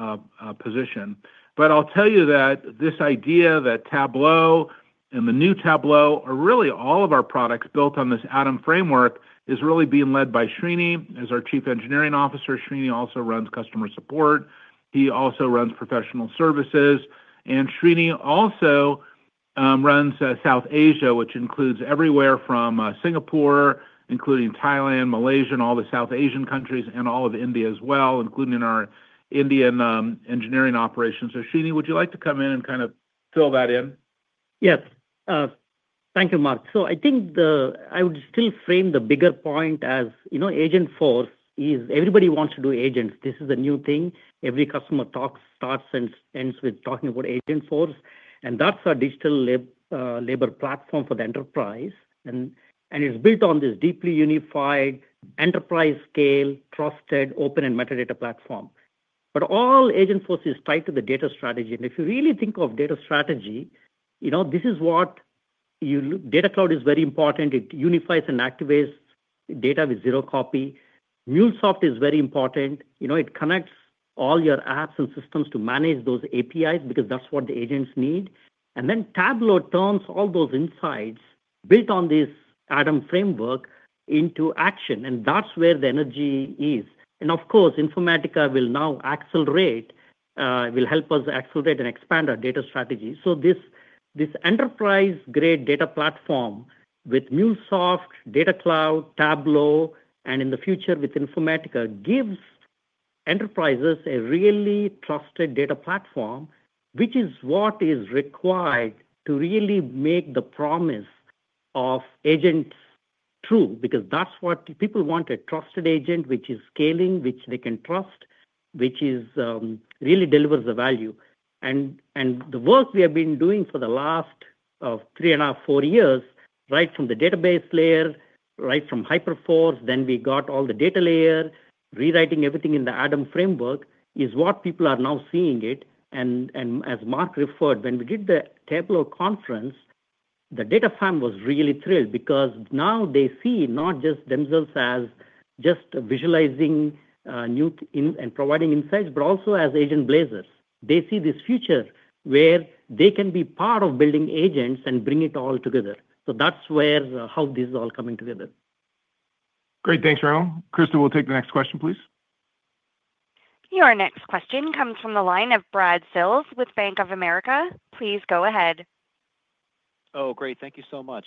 position. I will tell you that this idea that Tableau and the new Tableau are really all of our products built on this Adam Framework is really being led by Srini. As our Chief Engineering Officer, Srini also runs customer support. He also runs professional services. Srini also runs South Asia, which includes everywhere from Singapore, including Thailand, Malaysia, and all the South Asian countries, and all of India as well, including our Indian engineering operations. Srini, would you like to come in and kind of fill that in? Yes. Thank you, Mark. I think I would still frame the bigger point as Agentforce is everybody wants to do agents. This is a new thing. Every customer talks, starts, and ends with talking about Agentforce. That's our digital labor platform for the enterprise. It's built on this deeply unified enterprise-scale, trusted, open, and metadata platform. All Agentforce is tied to the data strategy. If you really think of data strategy, this is what Data Cloud is very important. It unifies and activates data with zero copy. MuleSoft is very important. It connects all your apps and systems to manage those APIs because that's what the agents need. Tableau turns all those insights built on this Adam framework into action. That's where the energy is. Of course, Informatica will now help us accelerate and expand our data strategy. This enterprise-grade data platform with MuleSoft, Data Cloud, Tableau, and in the future with Informatica gives enterprises a really trusted data platform, which is what is required to really make the promise of agents true because that's what people want: a trusted agent which is scaling, which they can trust, which really delivers the value. The work we have been doing for the last three and a half, four years, right from the database layer, right from Hyperforce, then we got all the data layer, rewriting everything in the Adam Framework is what people are now seeing. As Mark referred, when we did the Tableau conference, the data farm was really thrilled because now they see not just themselves as just visualizing and providing insights, but also as agent blazers. They see this future where they can be part of building agents and bring it all together. That is how this is all coming together. Great. Thanks, Raimo. Crystal, we will take the next question, please. Your next question comes from the line of Brad Sills with Bank of America. Please go ahead. Oh, great. Thank you so much.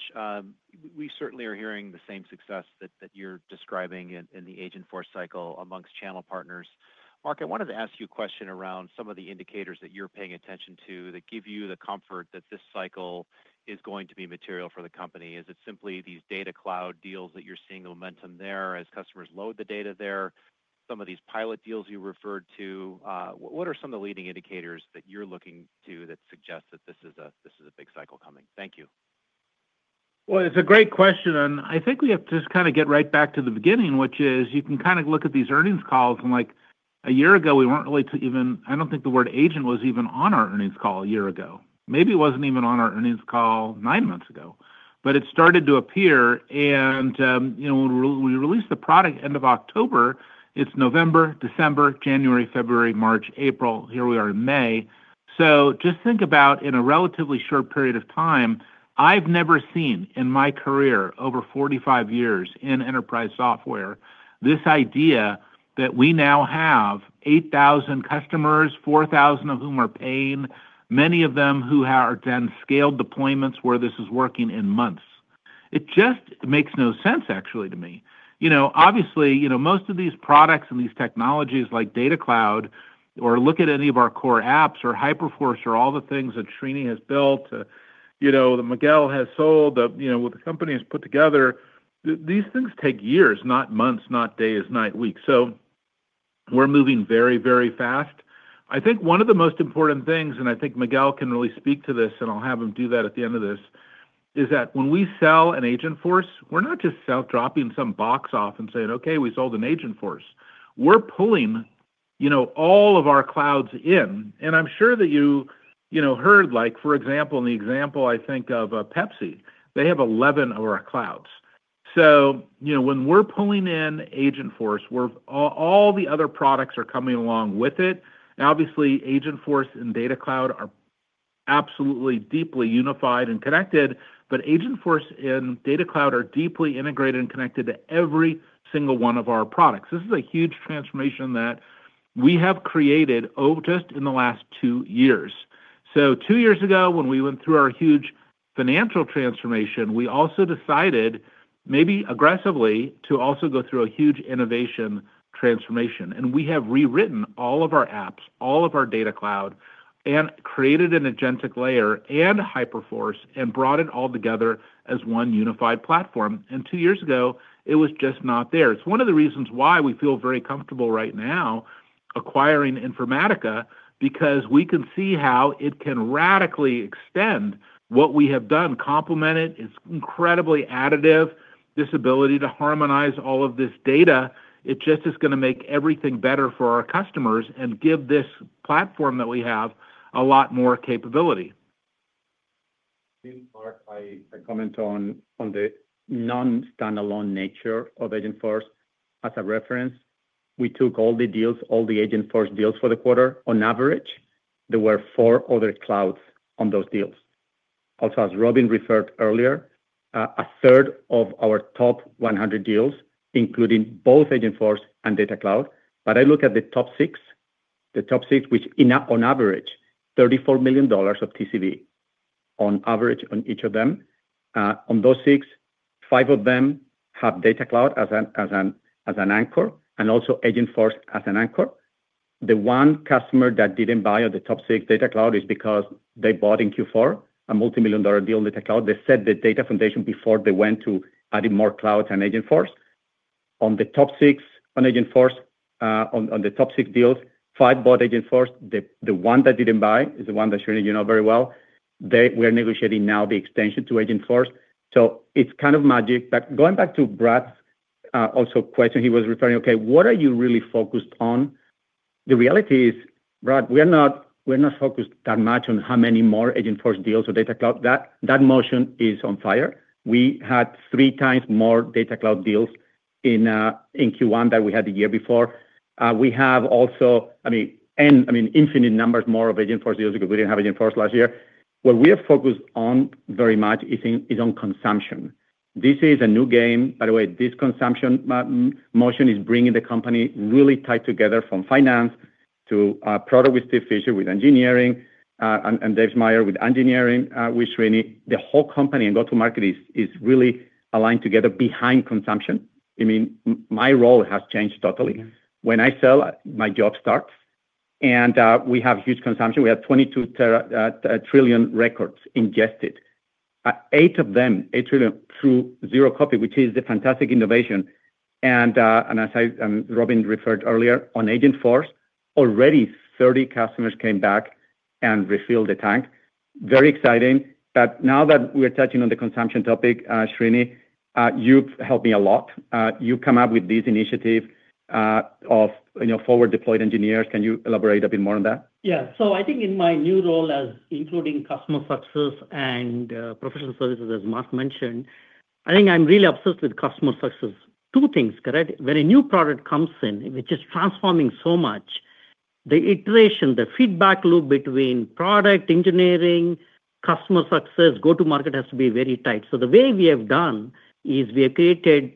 We certainly are hearing the same success that you're describing in the Agentforce cycle amongst channel partners. Mark, I wanted to ask you a question around some of the indicators that you're paying attention to that give you the comfort that this cycle is going to be material for the company. Is it simply these Data Cloud deals that you're seeing momentum there as customers load the data there, some of these pilot deals you referred to? What are some of the leading indicators that you're looking to that suggest that this is a big cycle coming? Thank you. It's a great question. I think we have to just kind of get right back to the beginning, which is you can kind of look at these earnings calls. Like a year ago, we were not really even—I do not think the word agent was even on our earnings call a year ago. Maybe it was not even on our earnings call nine months ago. It started to appear. When we released the product end of October, it is November, December, January, February, March, April. Here we are in May. Just think about in a relatively short period of time, I have never seen in my career over 45 years in enterprise software this idea that we now have 8,000 customers, 4,000 of whom are paying, many of them who have then scaled deployments where this is working in months. It just makes no sense, actually, to me. Obviously, most of these products and these technologies like Data Cloud, or look at any of our core apps, or Hyperforce, or all the things that Srini has built, that Miguel has sold, that the company has put together, these things take years, not months, not days, not weeks. We're moving very, very fast. I think one of the most important things, and I think Miguel can really speak to this, and I'll have him do that at the end of this, is that when we sell an Agentforce, we're not just dropping some box off and saying, "Okay, we sold an Agentforce." We're pulling all of our clouds in. I'm sure that you heard, for example, in the example I think of Pepsi, they have 11 of our clouds. When we're pulling in Agentforce, all the other products are coming along with it. Obviously, Agentforce and Data Cloud are absolutely deeply unified and connected, but Agentforce and Data Cloud are deeply integrated and connected to every single one of our products. This is a huge transformation that we have created just in the last two years. Two years ago, when we went through our huge financial transformation, we also decided maybe aggressively to also go through a huge innovation transformation. We have rewritten all of our apps, all of our Data Cloud, and created an agentic layer and Hyperforce and brought it all together as one unified platform. Two years ago, it was just not there. It's one of the reasons why we feel very comfortable right now acquiring Informatica because we can see how it can radically extend what we have done, complement it. It's incredibly additive. This ability to harmonize all of this data, it just is going to make everything better for our customers and give this platform that we have a lot more capability. Mark, I comment on the non-standalone nature of Agentforce as a reference. We took all the deals, all the Agentforce deals for the quarter. On average, there were four other clouds on those deals. Also, as Robin referred earlier, a third of our top 100 deals, including both Agentforce and Data Cloud. I look at the top six, the top six, which on average, $34 million of TCV on average on each of them. On those six, five of them have Data Cloud as an anchor and also Agentforce as an anchor. The one customer that did not buy on the top six Data Cloud is because they bought in Q4 a multi-million dollar deal in Data Cloud. They set the data foundation before they went to adding more clouds and Agentforce. On the top six on Agentforce, on the top six deals, five bought Agentforce. The one that did not buy is the one that Srini knows very well. We are negotiating now the extension to Agentforce. It is kind of magic. Going back to Brad's also question, he was referring, "Okay, what are you really focused on?" The reality is, Brad, we are not focused that much on how many more Agentforce deals or Data Cloud. That motion is on fire. We had three times more Data Cloud deals in Q1 than we had the year before. We have also, I mean, infinite numbers more of Agentforce deals because we did not have Agentforce last year. What we are focused on very much is on consumption. This is a new game. By the way, this consumption motion is bringing the company really tied together from finance to product with Steve Fisher with engineering and Dave Meyer with engineering with Srini. The whole company and go-to-market is really aligned together behind consumption. I mean, my role has changed totally. When I sell, my job starts. We have huge consumption. We have 22 trillion records ingested. Eight of them, 8 trillion, through zero copy, which is a fantastic innovation. As Robin referred earlier, on Agentforce, already 30 customers came back and refilled the tank. Very exciting. Now that we're touching on the consumption topic, Srini, you've helped me a lot. You've come up with this initiative of forward-deployed engineers. Can you elaborate a bit more on that? Yeah. I think in my new role as including customer success and professional services, as Mark mentioned, I think I'm really obsessed with customer success. Two things, correct? When a new product comes in, which is transforming so much, the iteration, the feedback loop between product engineering, customer success, go-to-market has to be very tight. The way we have done is we have created,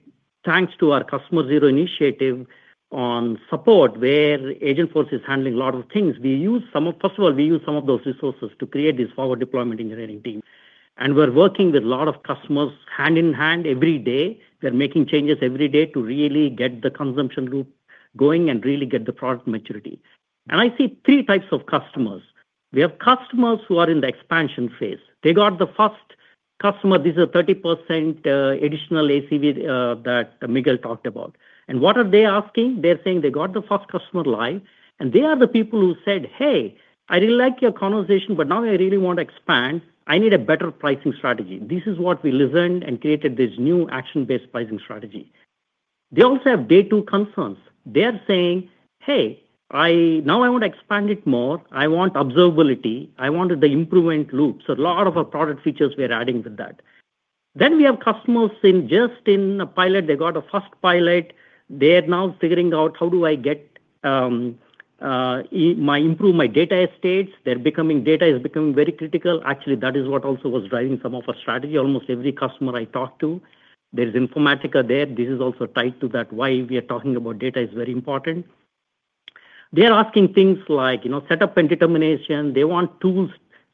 thanks to our customer zero initiative on support, where Agentforce is handling a lot of things, we use some of—first of all, we use some of those resources to create this forward-deployment engineering team. We're working with a lot of customers hand in hand every day. They're making changes every day to really get the consumption loop going and really get the product maturity. I see three types of customers. We have customers who are in the expansion phase. They got the first customer. This is a 30% additional ACV that Miguel talked about. What are they asking? They're saying they got the first customer live. They are the people who said, "Hey, I really like your conversation, but now I really want to expand. I need a better pricing strategy." This is what we listened and created this new action-based pricing strategy. They also have day-two concerns. They're saying, "Hey, now I want to expand it more. I want observability. I wanted the improvement loop." A lot of our product features we're adding with that. We have customers just in a pilot. They got a first pilot. They're now figuring out, "How do I improve my data estates?" Data is becoming very critical. Actually, that is what also was driving some of our strategy. Almost every customer I talk to, there's Informatica there. This is also tied to that why we are talking about data is very important. They're asking things like setup and determination. They want tools.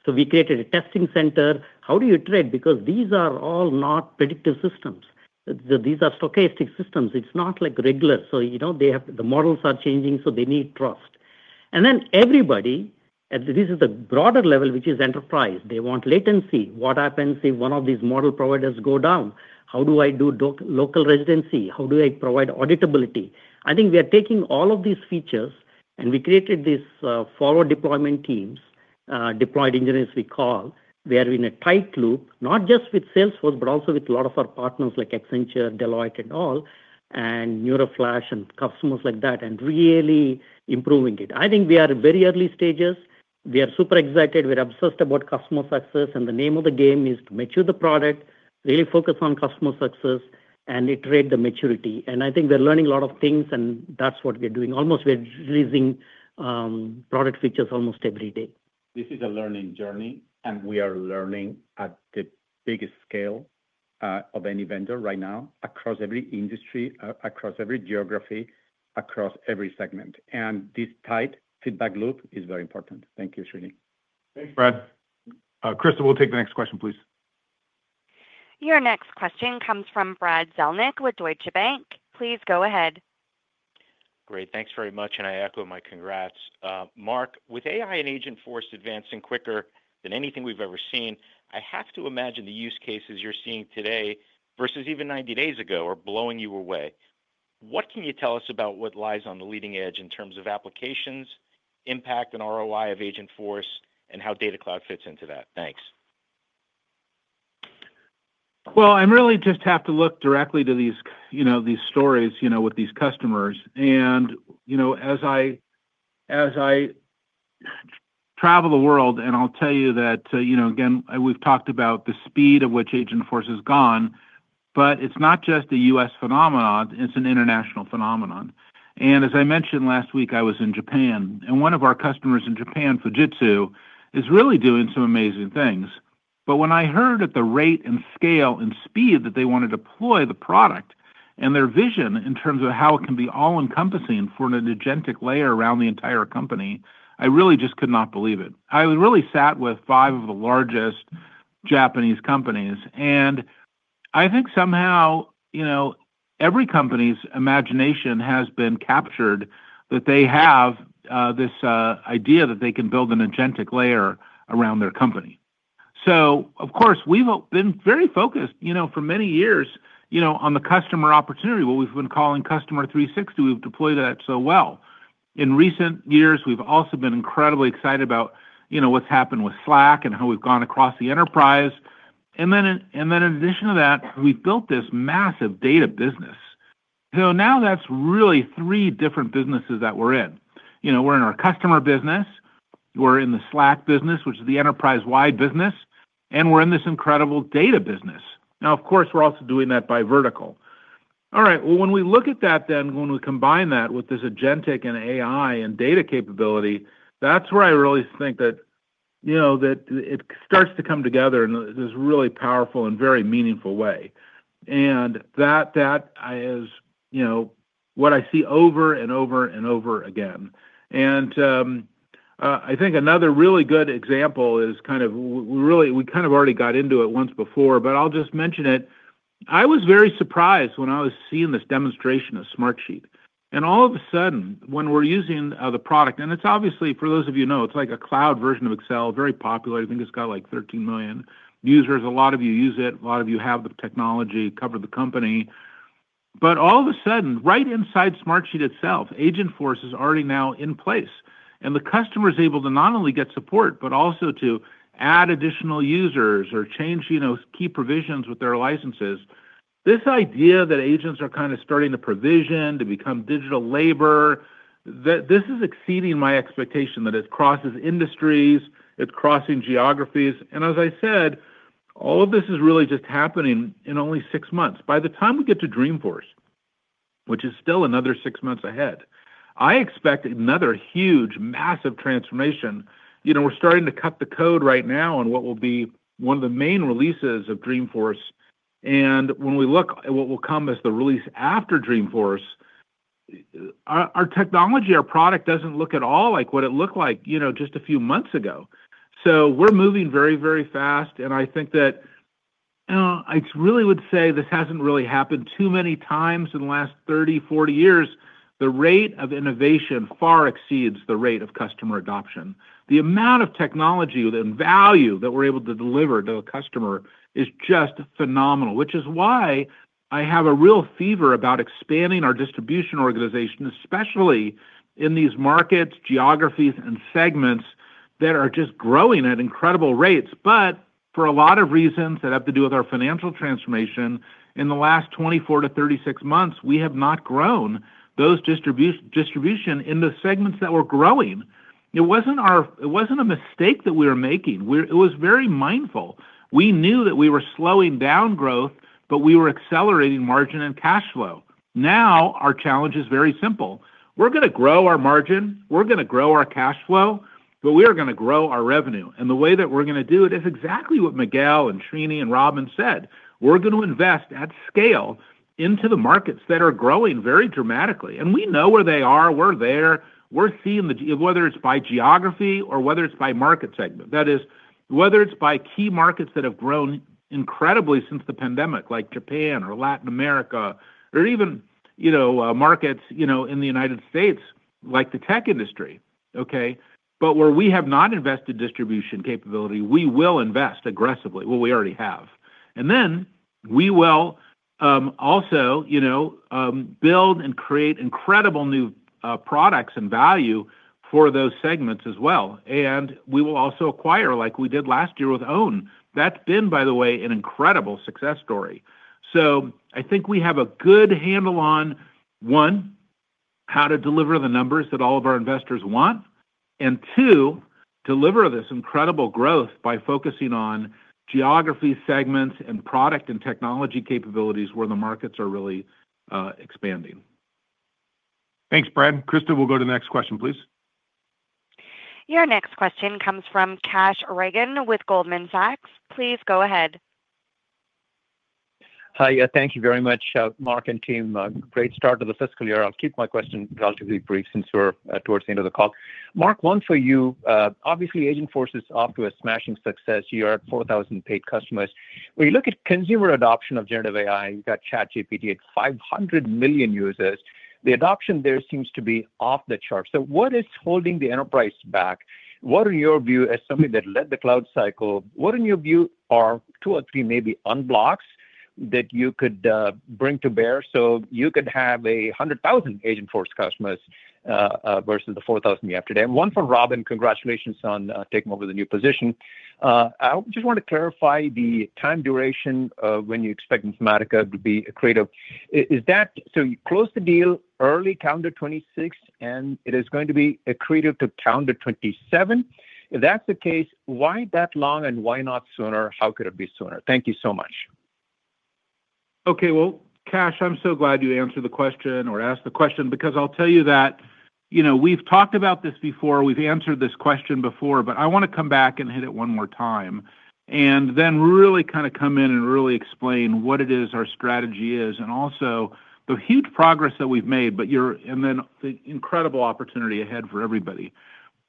We created a testing center. How do you trade? These are all not predictive systems. These are stochastic systems. It's not like regular. The models are changing, so they need trust. Everybody, this is the broader level, which is enterprise. They want latency. What happens if one of these model providers goes down? How do I do local residency? How do I provide auditability? I think we are taking all of these features, and we created these forward-deployment teams, deployed engineers we call, where we're in a tight loop, not just with Salesforce, but also with a lot of our partners like Accenture, Deloitte, and all, and NeuroFlash and customers like that, and really improving it. I think we are in very early stages. We are super excited. We're obsessed about customer success. The name of the game is to mature the product, really focus on customer success, and iterate the maturity. I think we're learning a lot of things, and that's what we're doing. We're releasing product features almost every day. This is a learning journey, and we are learning at the biggest scale of any vendor right now across every industry, across every geography, across every segment. This tight feedback loop is very important. Thank you, Srini. Thanks, Brad. Crystal, we'll take the next question, please. Your next question comes from Brad Zelnick with Deutsche Bank. Please go ahead. Great. Thanks very much. I echo my congrats. Mark, with AI and Agentforce advancing quicker than anything we've ever seen, I have to imagine the use cases you're seeing today versus even 90 days ago are blowing you away. What can you tell us about what lies on the leading edge in terms of applications, impact, and ROI of Agentforce, and how Data Cloud fits into that? Thanks. I really just have to look directly to these stories with these customers. As I travel the world, I'll tell you that, again, we've talked about the speed at which Agentforce has gone, but it's not just a U.S. phenomenon. It's an international phenomenon. As I mentioned last week, I was in Japan. One of our customers in Japan, Fujitsu, is really doing some amazing things. When I heard at the rate and scale and speed that they want to deploy the product and their vision in terms of how it can be all-encompassing for an agentic layer around the entire company, I really just could not believe it. I was really sat with five of the largest Japanese companies. I think somehow every company's imagination has been captured that they have this idea that they can build an agentic layer around their company. Of course, we've been very focused for many years on the customer opportunity, what we've been calling Customer 360. We've deployed that so well. In recent years, we've also been incredibly excited about what's happened with Slack and how we've gone across the enterprise. In addition to that, we've built this massive data business. Now that's really three different businesses that we're in. We're in our customer business. We're in the Slack business, which is the enterprise-wide business. And we're in this incredible data business. Now, of course, we're also doing that by vertical. All right. When we look at that, then when we combine that with this agentic and AI and data capability, that's where I really think that it starts to come together in this really powerful and very meaningful way. That is what I see over and over and over again. I think another really good example is kind of we kind of already got into it once before, but I'll just mention it. I was very surprised when I was seeing this demonstration of Smartsheet. All of a sudden, when we're using the product, and it's obviously, for those of you who know, it's like a cloud version of Excel, very popular. I think it's got like 13 million users. A lot of you use it. A lot of you have the technology cover the company. All of a sudden, right inside Smartsheet itself, Agentforce is already now in place. The customer is able to not only get support, but also to add additional users or change key provisions with their licenses. This idea that agents are kind of starting to provision to become digital labor is exceeding my expectation that it crosses industries. It's crossing geographies. As I said, all of this is really just happening in only six months. By the time we get to Dreamforce, which is still another six months ahead, I expect another huge, massive transformation. We're starting to cut the code right now on what will be one of the main releases of Dreamforce. When we look at what will come as the release after Dreamforce, our technology, our product does not look at all like what it looked like just a few months ago. We are moving very, very fast. I think that I really would say this has not really happened too many times in the last 30-40 years. The rate of innovation far exceeds the rate of customer adoption. The amount of technology and value that we are able to deliver to a customer is just phenomenal, which is why I have a real fever about expanding our distribution organization, especially in these markets, geographies, and segments that are just growing at incredible rates. For a lot of reasons that have to do with our financial transformation, in the last 24-36 months, we have not grown those distribution into segments that were growing. It wasn't a mistake that we were making. It was very mindful. We knew that we were slowing down growth, but we were accelerating margin and cash flow. Now our challenge is very simple. We're going to grow our margin. We're going to grow our cash flow, but we are going to grow our revenue. The way that we're going to do it is exactly what Miguel and Srini and Robin said. We're going to invest at scale into the markets that are growing very dramatically. We know where they are. We're there. We're seeing whether it's by geography or whether it's by market segment. That is, whether it's by key markets that have grown incredibly since the pandemic, like Japan or Latin America, or even markets in the United States, like the tech industry, okay? Where we have not invested distribution capability, we will invest aggressively. We already have. We will also build and create incredible new products and value for those segments as well. We will also acquire like we did last year with OWN. That has been, by the way, an incredible success story. I think we have a good handle on, one, how to deliver the numbers that all of our investors want, and two, deliver this incredible growth by focusing on geography, segments, and product and technology capabilities where the markets are really expanding. Thanks, Brad. Crystal, we will go to the next question, please. Your next question comes from Kash Rangan with Goldman Sachs. Please go ahead. Hi. Thank you very much, Mark and team. Great start to the fiscal year. I will keep my question relatively brief since we are towards the end of the call. Mark, one for you. Obviously, Agentforce is off to a smashing success. You are at 4,000 paid customers. When you look at consumer adoption of generative AI, you've got ChatGPT at 500 million users. The adoption there seems to be off the chart. What is holding the enterprise back? What, in your view, as something that led the cloud cycle, what, in your view, are two or three maybe unblocks that you could bring to bear so you could have 100,000 Agentforce customers versus the 4,000 you have today? One for Robin. Congratulations on taking over the new position. I just want to clarify the time duration when you expect Informatica to be accretive. You closed the deal early calendar 2026, and it is going to be accretive to calendar 2027. If that's the case, why that long, and why not sooner? How could it be sooner? Thank you so much. Okay. Kash, I'm so glad you answered the question or asked the question because I'll tell you that we've talked about this before. We've answered this question before, but I want to come back and hit it one more time and then really kind of come in and really explain what it is our strategy is and also the huge progress that we've made, and then the incredible opportunity ahead for everybody.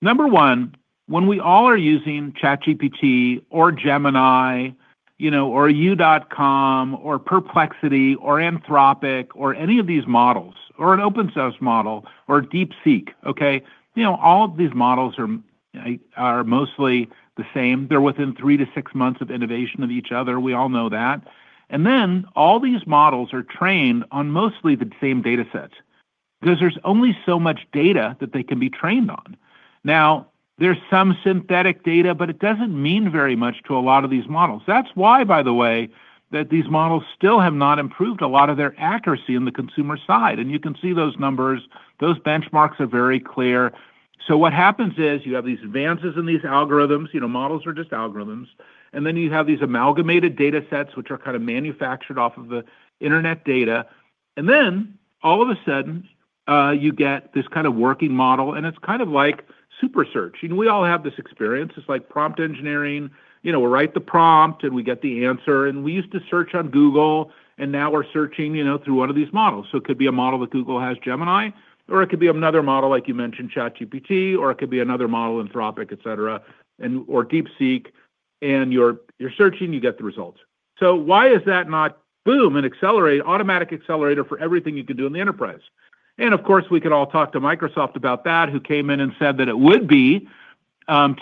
Number one, when we all are using ChatGPT or Gemini or U.com or Perplexity or Anthropic or any of these models or an open-source model or DeepSeek, okay? All of these models are mostly the same. They're within three to six months of innovation of each other. We all know that. All these models are trained on mostly the same dataset because there's only so much data that they can be trained on. Now, there's some synthetic data, but it doesn't mean very much to a lot of these models. That is why, by the way, that these models still have not improved a lot of their accuracy on the consumer side. You can see those numbers. Those benchmarks are very clear. What happens is you have these advances in these algorithms. Models are just algorithms. Then you have these amalgamated datasets, which are kind of manufactured off of the internet data. All of a sudden, you get this kind of working model, and it's kind of like super search. We all have this experience. It's like prompt engineering. We write the prompt, and we get the answer. We used to search on Google, and now we're searching through one of these models. It could be a model that Google has, Gemini, or it could be another model like you mentioned, ChatGPT, or it could be another model, Anthropic, etc., or DeepSeek. You are searching, you get the results. Why is that not, boom, an accelerator, an automatic accelerator for everything you can do in the enterprise? Of course, we can all talk to Microsoft about that, who came in and said that it would be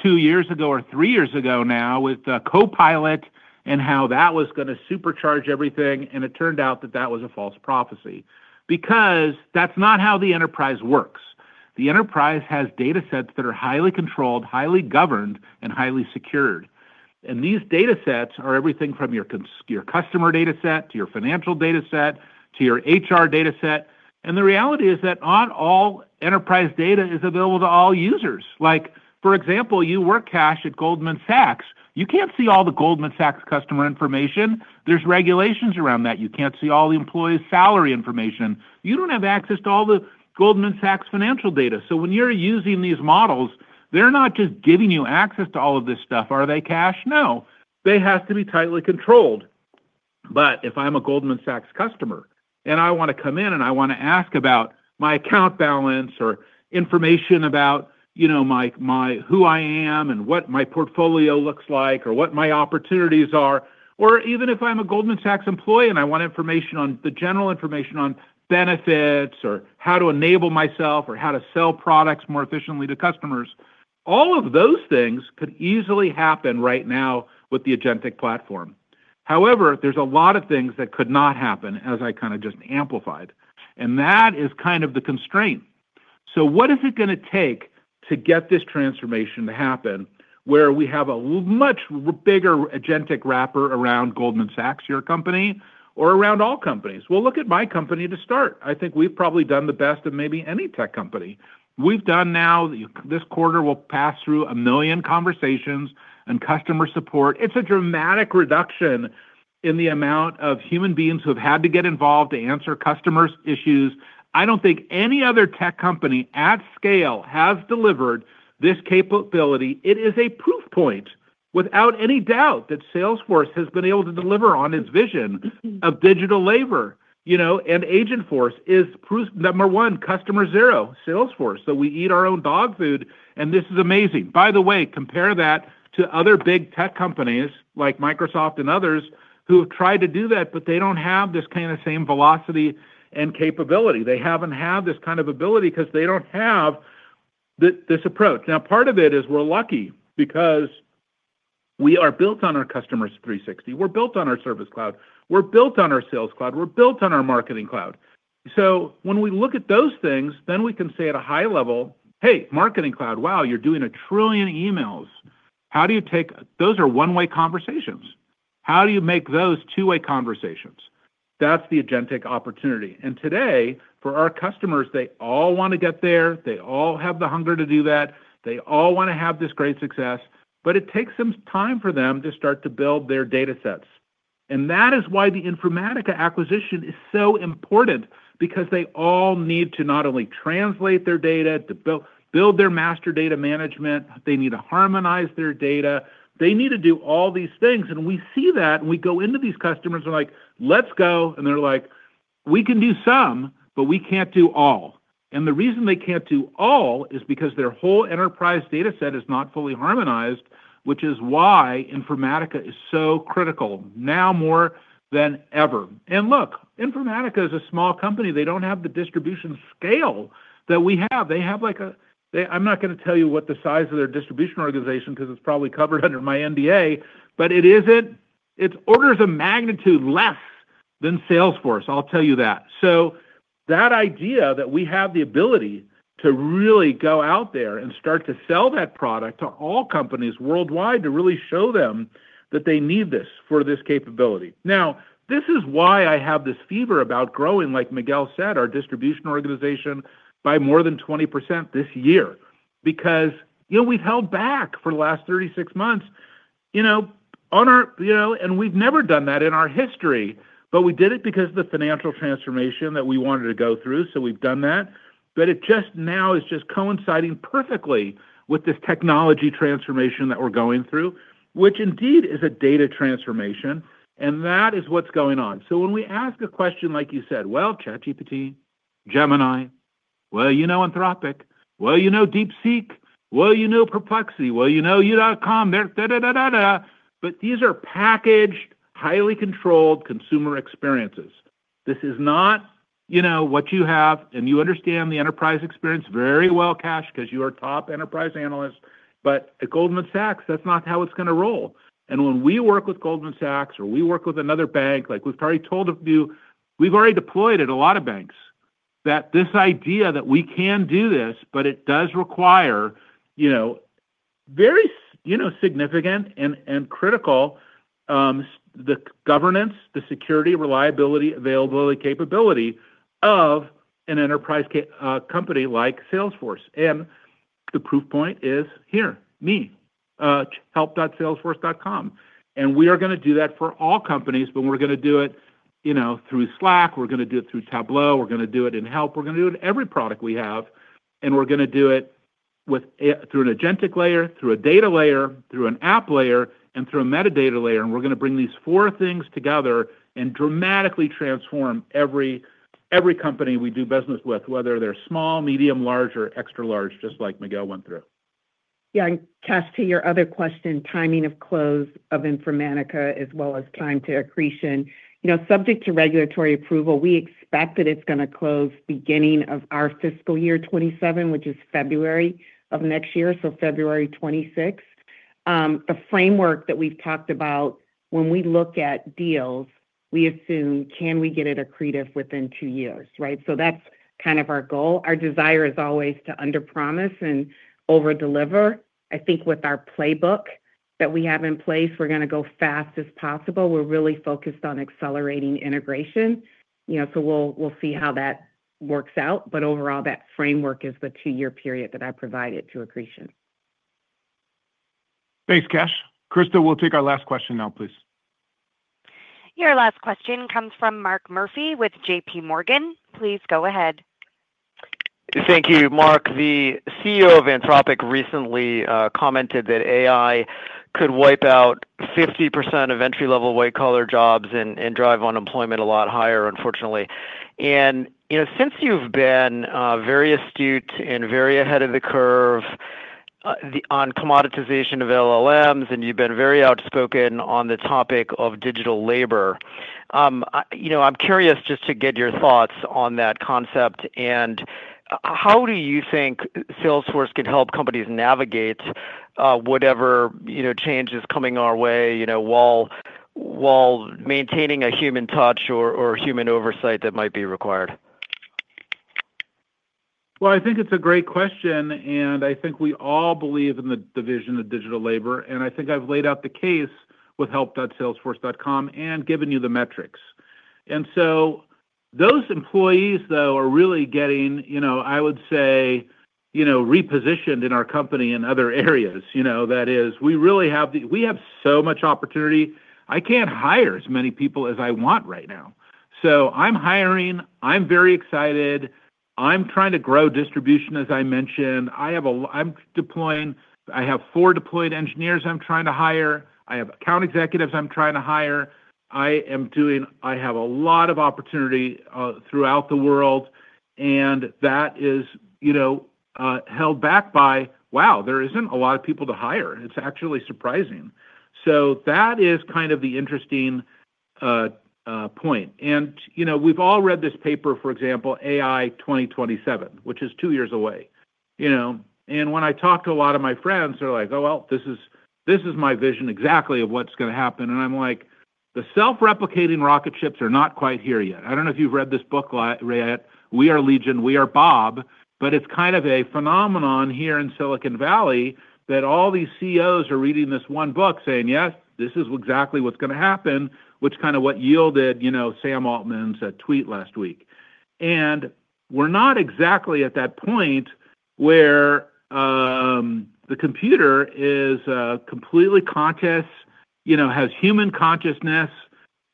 two years ago or three years ago now with Copilot and how that was going to supercharge everything. It turned out that that was a false prophecy because that's not how the enterprise works. The enterprise has datasets that are highly controlled, highly governed, and highly secured. These datasets are everything from your customer dataset to your financial dataset to your HR dataset. The reality is that not all enterprise data is available to all users. For example, you work, Kash, at Goldman Sachs. You can't see all the Goldman Sachs customer information. There are regulations around that. You can't see all the employee salary information. You don't have access to all the Goldman Sachs financial data. When you're using these models, they're not just giving you access to all of this stuff, are they, Kash? No. They have to be tightly controlled. If I'm a Goldman Sachs customer and I want to come in and I want to ask about my account balance or information about who I am and what my portfolio looks like or what my opportunities are, or even if I'm a Goldman Sachs employee and I want information on the general information on benefits or how to enable myself or how to sell products more efficiently to customers, all of those things could easily happen right now with the agentic platform. However, there's a lot of things that could not happen, as I kind of just amplified. That is kind of the constraint. What is it going to take to get this transformation to happen where we have a much bigger agentic wrapper around Goldman Sachs, your company, or around all companies? Look at my company to start. I think we've probably done the best of maybe any tech company. We've done now this quarter will pass through a million conversations in customer support. It's a dramatic reduction in the amount of human beings who have had to get involved to answer customers' issues. I don't think any other tech company at scale has delivered this capability. It is a proof point, without any doubt, that Salesforce has been able to deliver on its vision of digital labor. Agentforce is, number one, customer zero, Salesforce. We eat our own dog food, and this is amazing. By the way, compare that to other big tech companies like Microsoft and others who have tried to do that, but they don't have this kind of same velocity and capability. They haven't had this kind of ability because they don't have this approach. Now, part of it is we're lucky because we are built on our Customer 360. We're built on our Service Cloud. We're built on our Sales Cloud. We're built on our Marketing Cloud. When we look at those things, we can say at a high level, "Hey, Marketing Cloud, wow, you're doing a trillion emails. How do you take those are one-way conversations. How do you make those two-way conversations?" That is the agentic opportunity. Today, for our customers, they all want to get there. They all have the hunger to do that. They all want to have this great success. It takes some time for them to start to build their datasets. That is why the Informatica acquisition is so important because they all need to not only translate their data to build their master data management. They need to harmonize their data. They need to do all these things. We see that, and we go into these customers and we're like, "Let's go." They're like, "We can do some, but we can't do all." The reason they can't do all is because their whole enterprise dataset is not fully harmonized, which is why Informatica is so critical now more than ever. Look, Informatica is a small company. They do not have the distribution scale that we have. They have like a—I'm not going to tell you what the size of their distribution organization is because it's probably covered under my NDA, but it's orders of magnitude less than Salesforce. I'll tell you that. That idea that we have the ability to really go out there and start to sell that product to all companies worldwide to really show them that they need this for this capability. Now, this is why I have this fever about growing, like Miguel said, our distribution organization by more than 20% this year because we've held back for the last 36 months. We've never done that in our history, but we did it because of the financial transformation that we wanted to go through. We've done that. It just now is just coinciding perfectly with this technology transformation that we're going through, which indeed is a data transformation. That is what's going on. When we ask a question like you said, "Well, ChatGPT, Gemini, well, you know Anthropic, well, you know DeepSeek, well, you know Perplexity, well, you know U.com," these are packaged, highly controlled consumer experiences. This is not what you have, and you understand the enterprise experience very well, Kash, because you are a top enterprise analyst. At Goldman Sachs, that's not how it's going to roll. When we work with Goldman Sachs or we work with another bank, like we've already told a few—we've already deployed at a lot of banks—that this idea that we can do this, but it does require very significant and critical governance, security, reliability, availability, capability of an enterprise company like Salesforce. The proof point is here, me, help.salesforce.com. We are going to do that for all companies, but we're going to do it through Slack. We're going to do it through Tableau. We're going to do it in Help. We're going to do it in every product we have. We're going to do it through an agentic layer, through a data layer, through an app layer, and through a metadata layer. We're going to bring these four things together and dramatically transform every company we do business with, whether they're small, medium, large, or extra large, just like Miguel went through. Yeah. Kash, to your other question, timing of close of Informatica as well as time to accretion, subject to regulatory approval, we expect that it's going to close beginning of our fiscal year 2027, which is February of next year, so February 26. The framework that we've talked about, when we look at deals, we assume, "Can we get it accretive within two years?" Right? That's kind of our goal. Our desire is always to underpromise and overdeliver. I think with our playbook that we have in place, we're going to go fast as possible. We're really focused on accelerating integration. We'll see how that works out. But overall, that framework is the two-year period that I provided to accretion. Thanks, Kash. Crystal, we'll take our last question now, please. Your last question comes from Mark Murphy with JPMorgan. Please go ahead. Thank you. Mark, the CEO of Anthropic recently commented that AI could wipe out 50% of entry-level white-collar jobs and drive unemployment a lot higher, unfortunately. Since you've been very astute and very ahead of the curve on commoditization of LLMs and you've been very outspoken on the topic of digital labor, I'm curious just to get your thoughts on that concept. How do you think Salesforce can help companies navigate whatever change is coming our way while maintaining a human touch or human oversight that might be required? I think it's a great question, and I think we all believe in the division of digital labor. I think I've laid out the case with help.salesforce.com and given you the metrics. Those employees, though, are really getting, I would say, repositioned in our company in other areas. That is, we really have—we have so much opportunity. I can't hire as many people as I want right now. I'm hiring. I'm very excited. I'm trying to grow distribution, as I mentioned. I'm deploying. I have four deployed engineers I'm trying to hire. I have account executives I'm trying to hire. I have a lot of opportunity throughout the world. That is held back by, "Wow, there isn't a lot of people to hire." It's actually surprising. That is kind of the interesting point. We've all read this paper, for example, AI 2027, which is two years away. When I talk to a lot of my friends, they're like, "Oh, well, this is my vision exactly of what's going to happen." I'm like, "The self-replicating rocket ships are not quite here yet." I don't know if you've read this book, Rayette. We are Legion. We are Bob. It's kind of a phenomenon here in Silicon Valley that all these CEOs are reading this one book saying, "Yes, this is exactly what's going to happen," which is kind of what yielded Sam Altman's tweet last week. We're not exactly at that point where the computer is completely conscious, has human consciousness,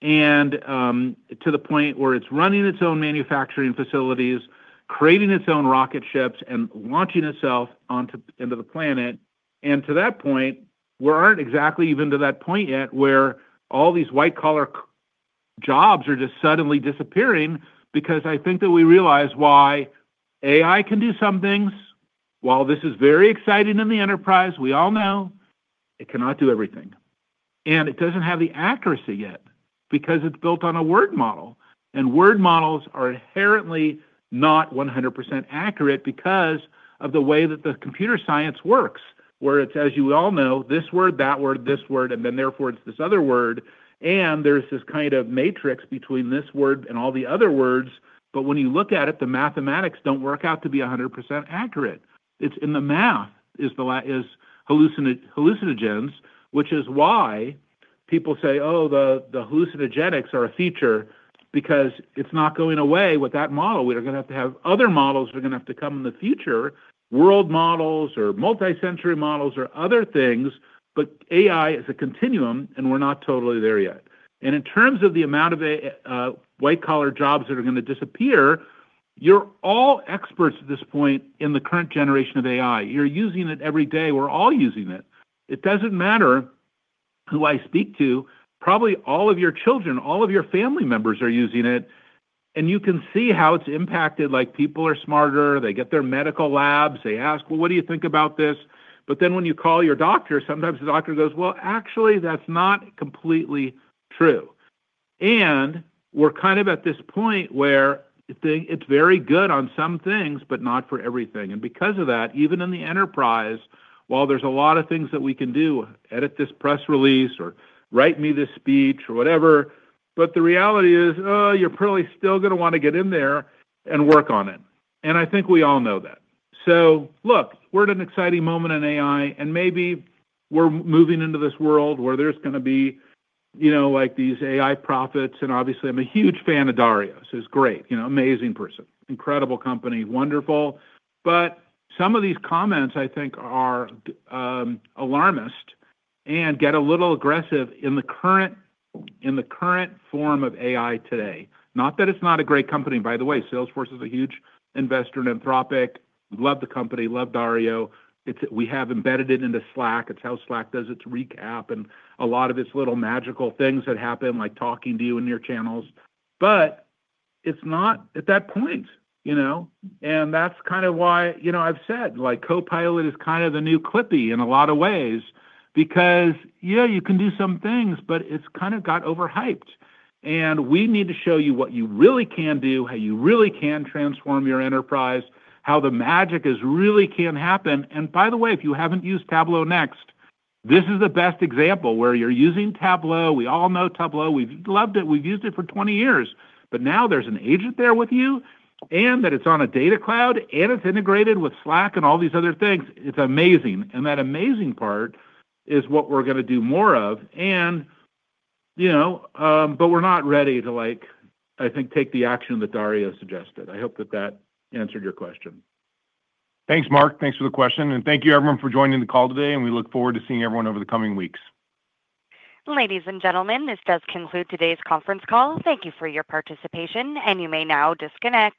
and to the point where it's running its own manufacturing facilities, creating its own rocket ships, and launching itself onto the planet. To that point, we aren't exactly even to that point yet where all these white-collar jobs are just suddenly disappearing because I think that we realize why AI can do some things. While this is very exciting in the enterprise, we all know it cannot do everything. It doesn't have the accuracy yet because it's built on a word model. Word models are inherently not 100% accurate because of the way that the computer science works, where it's, as you all know, this word, that word, this word, and then therefore it's this other word. There's this kind of matrix between this word and all the other words. When you look at it, the mathematics don't work out to be 100% accurate. It's in the math is hallucinogens, which is why people say, "Oh, the hallucinogenics are a feature because it's not going away with that model." We are going to have to have other models that are going to have to come in the future, world models or multisensory models or other things. AI is a continuum, and we're not totally there yet. In terms of the amount of white-collar jobs that are going to disappear, you're all experts at this point in the current generation of AI. You're using it every day. We're all using it. It doesn't matter who I speak to. Probably all of your children, all of your family members are using it. You can see how it's impacted. People are smarter. They get their medical labs. They ask, "What do you think about this?" When you call your doctor, sometimes the doctor goes, "Actually, that's not completely true." We are kind of at this point where it is very good on some things, but not for everything. Because of that, even in the enterprise, while there are a lot of things that we can do, edit this press release or write me this speech or whatever, the reality is, "Oh, you are probably still going to want to get in there and work on it." I think we all know that. Look, we are at an exciting moment in AI. Maybe we are moving into this world where there are going to be these AI profits. Obviously, I am a huge fan of Darius. It is great. Amazing person. Incredible company. Wonderful. Some of these comments, I think, are alarmist and get a little aggressive in the current form of AI today. Not that it's not a great company. By the way, Salesforce is a huge investor in Anthropic. Love the company. Love Dario. We have embedded it into Slack. It's how Slack does its recap and a lot of its little magical things that happen, like talking to you in your channels. It's not at that point. That's kind of why I've said Copilot is kind of the new Clippy in a lot of ways because you can do some things, but it's kind of got overhyped. We need to show you what you really can do, how you really can transform your enterprise, how the magic really can happen. By the way, if you haven't used Tableau Next, this is the best example where you're using Tableau. We all know Tableau. We've loved it. We've used it for 20 years. Now there's an agent there with you, and it's on a Data Cloud, and it's integrated with Slack and all these other things. It's amazing. That amazing part is what we're going to do more of. We're not ready to, I think, take the action that Dario suggested. I hope that answered your question. Thanks, Mark. Thanks for the question. Thank you, everyone, for joining the call today. We look forward to seeing everyone over the coming weeks. Ladies and gentlemen, this does conclude today's conference call. Thank you for your participation. You may now disconnect.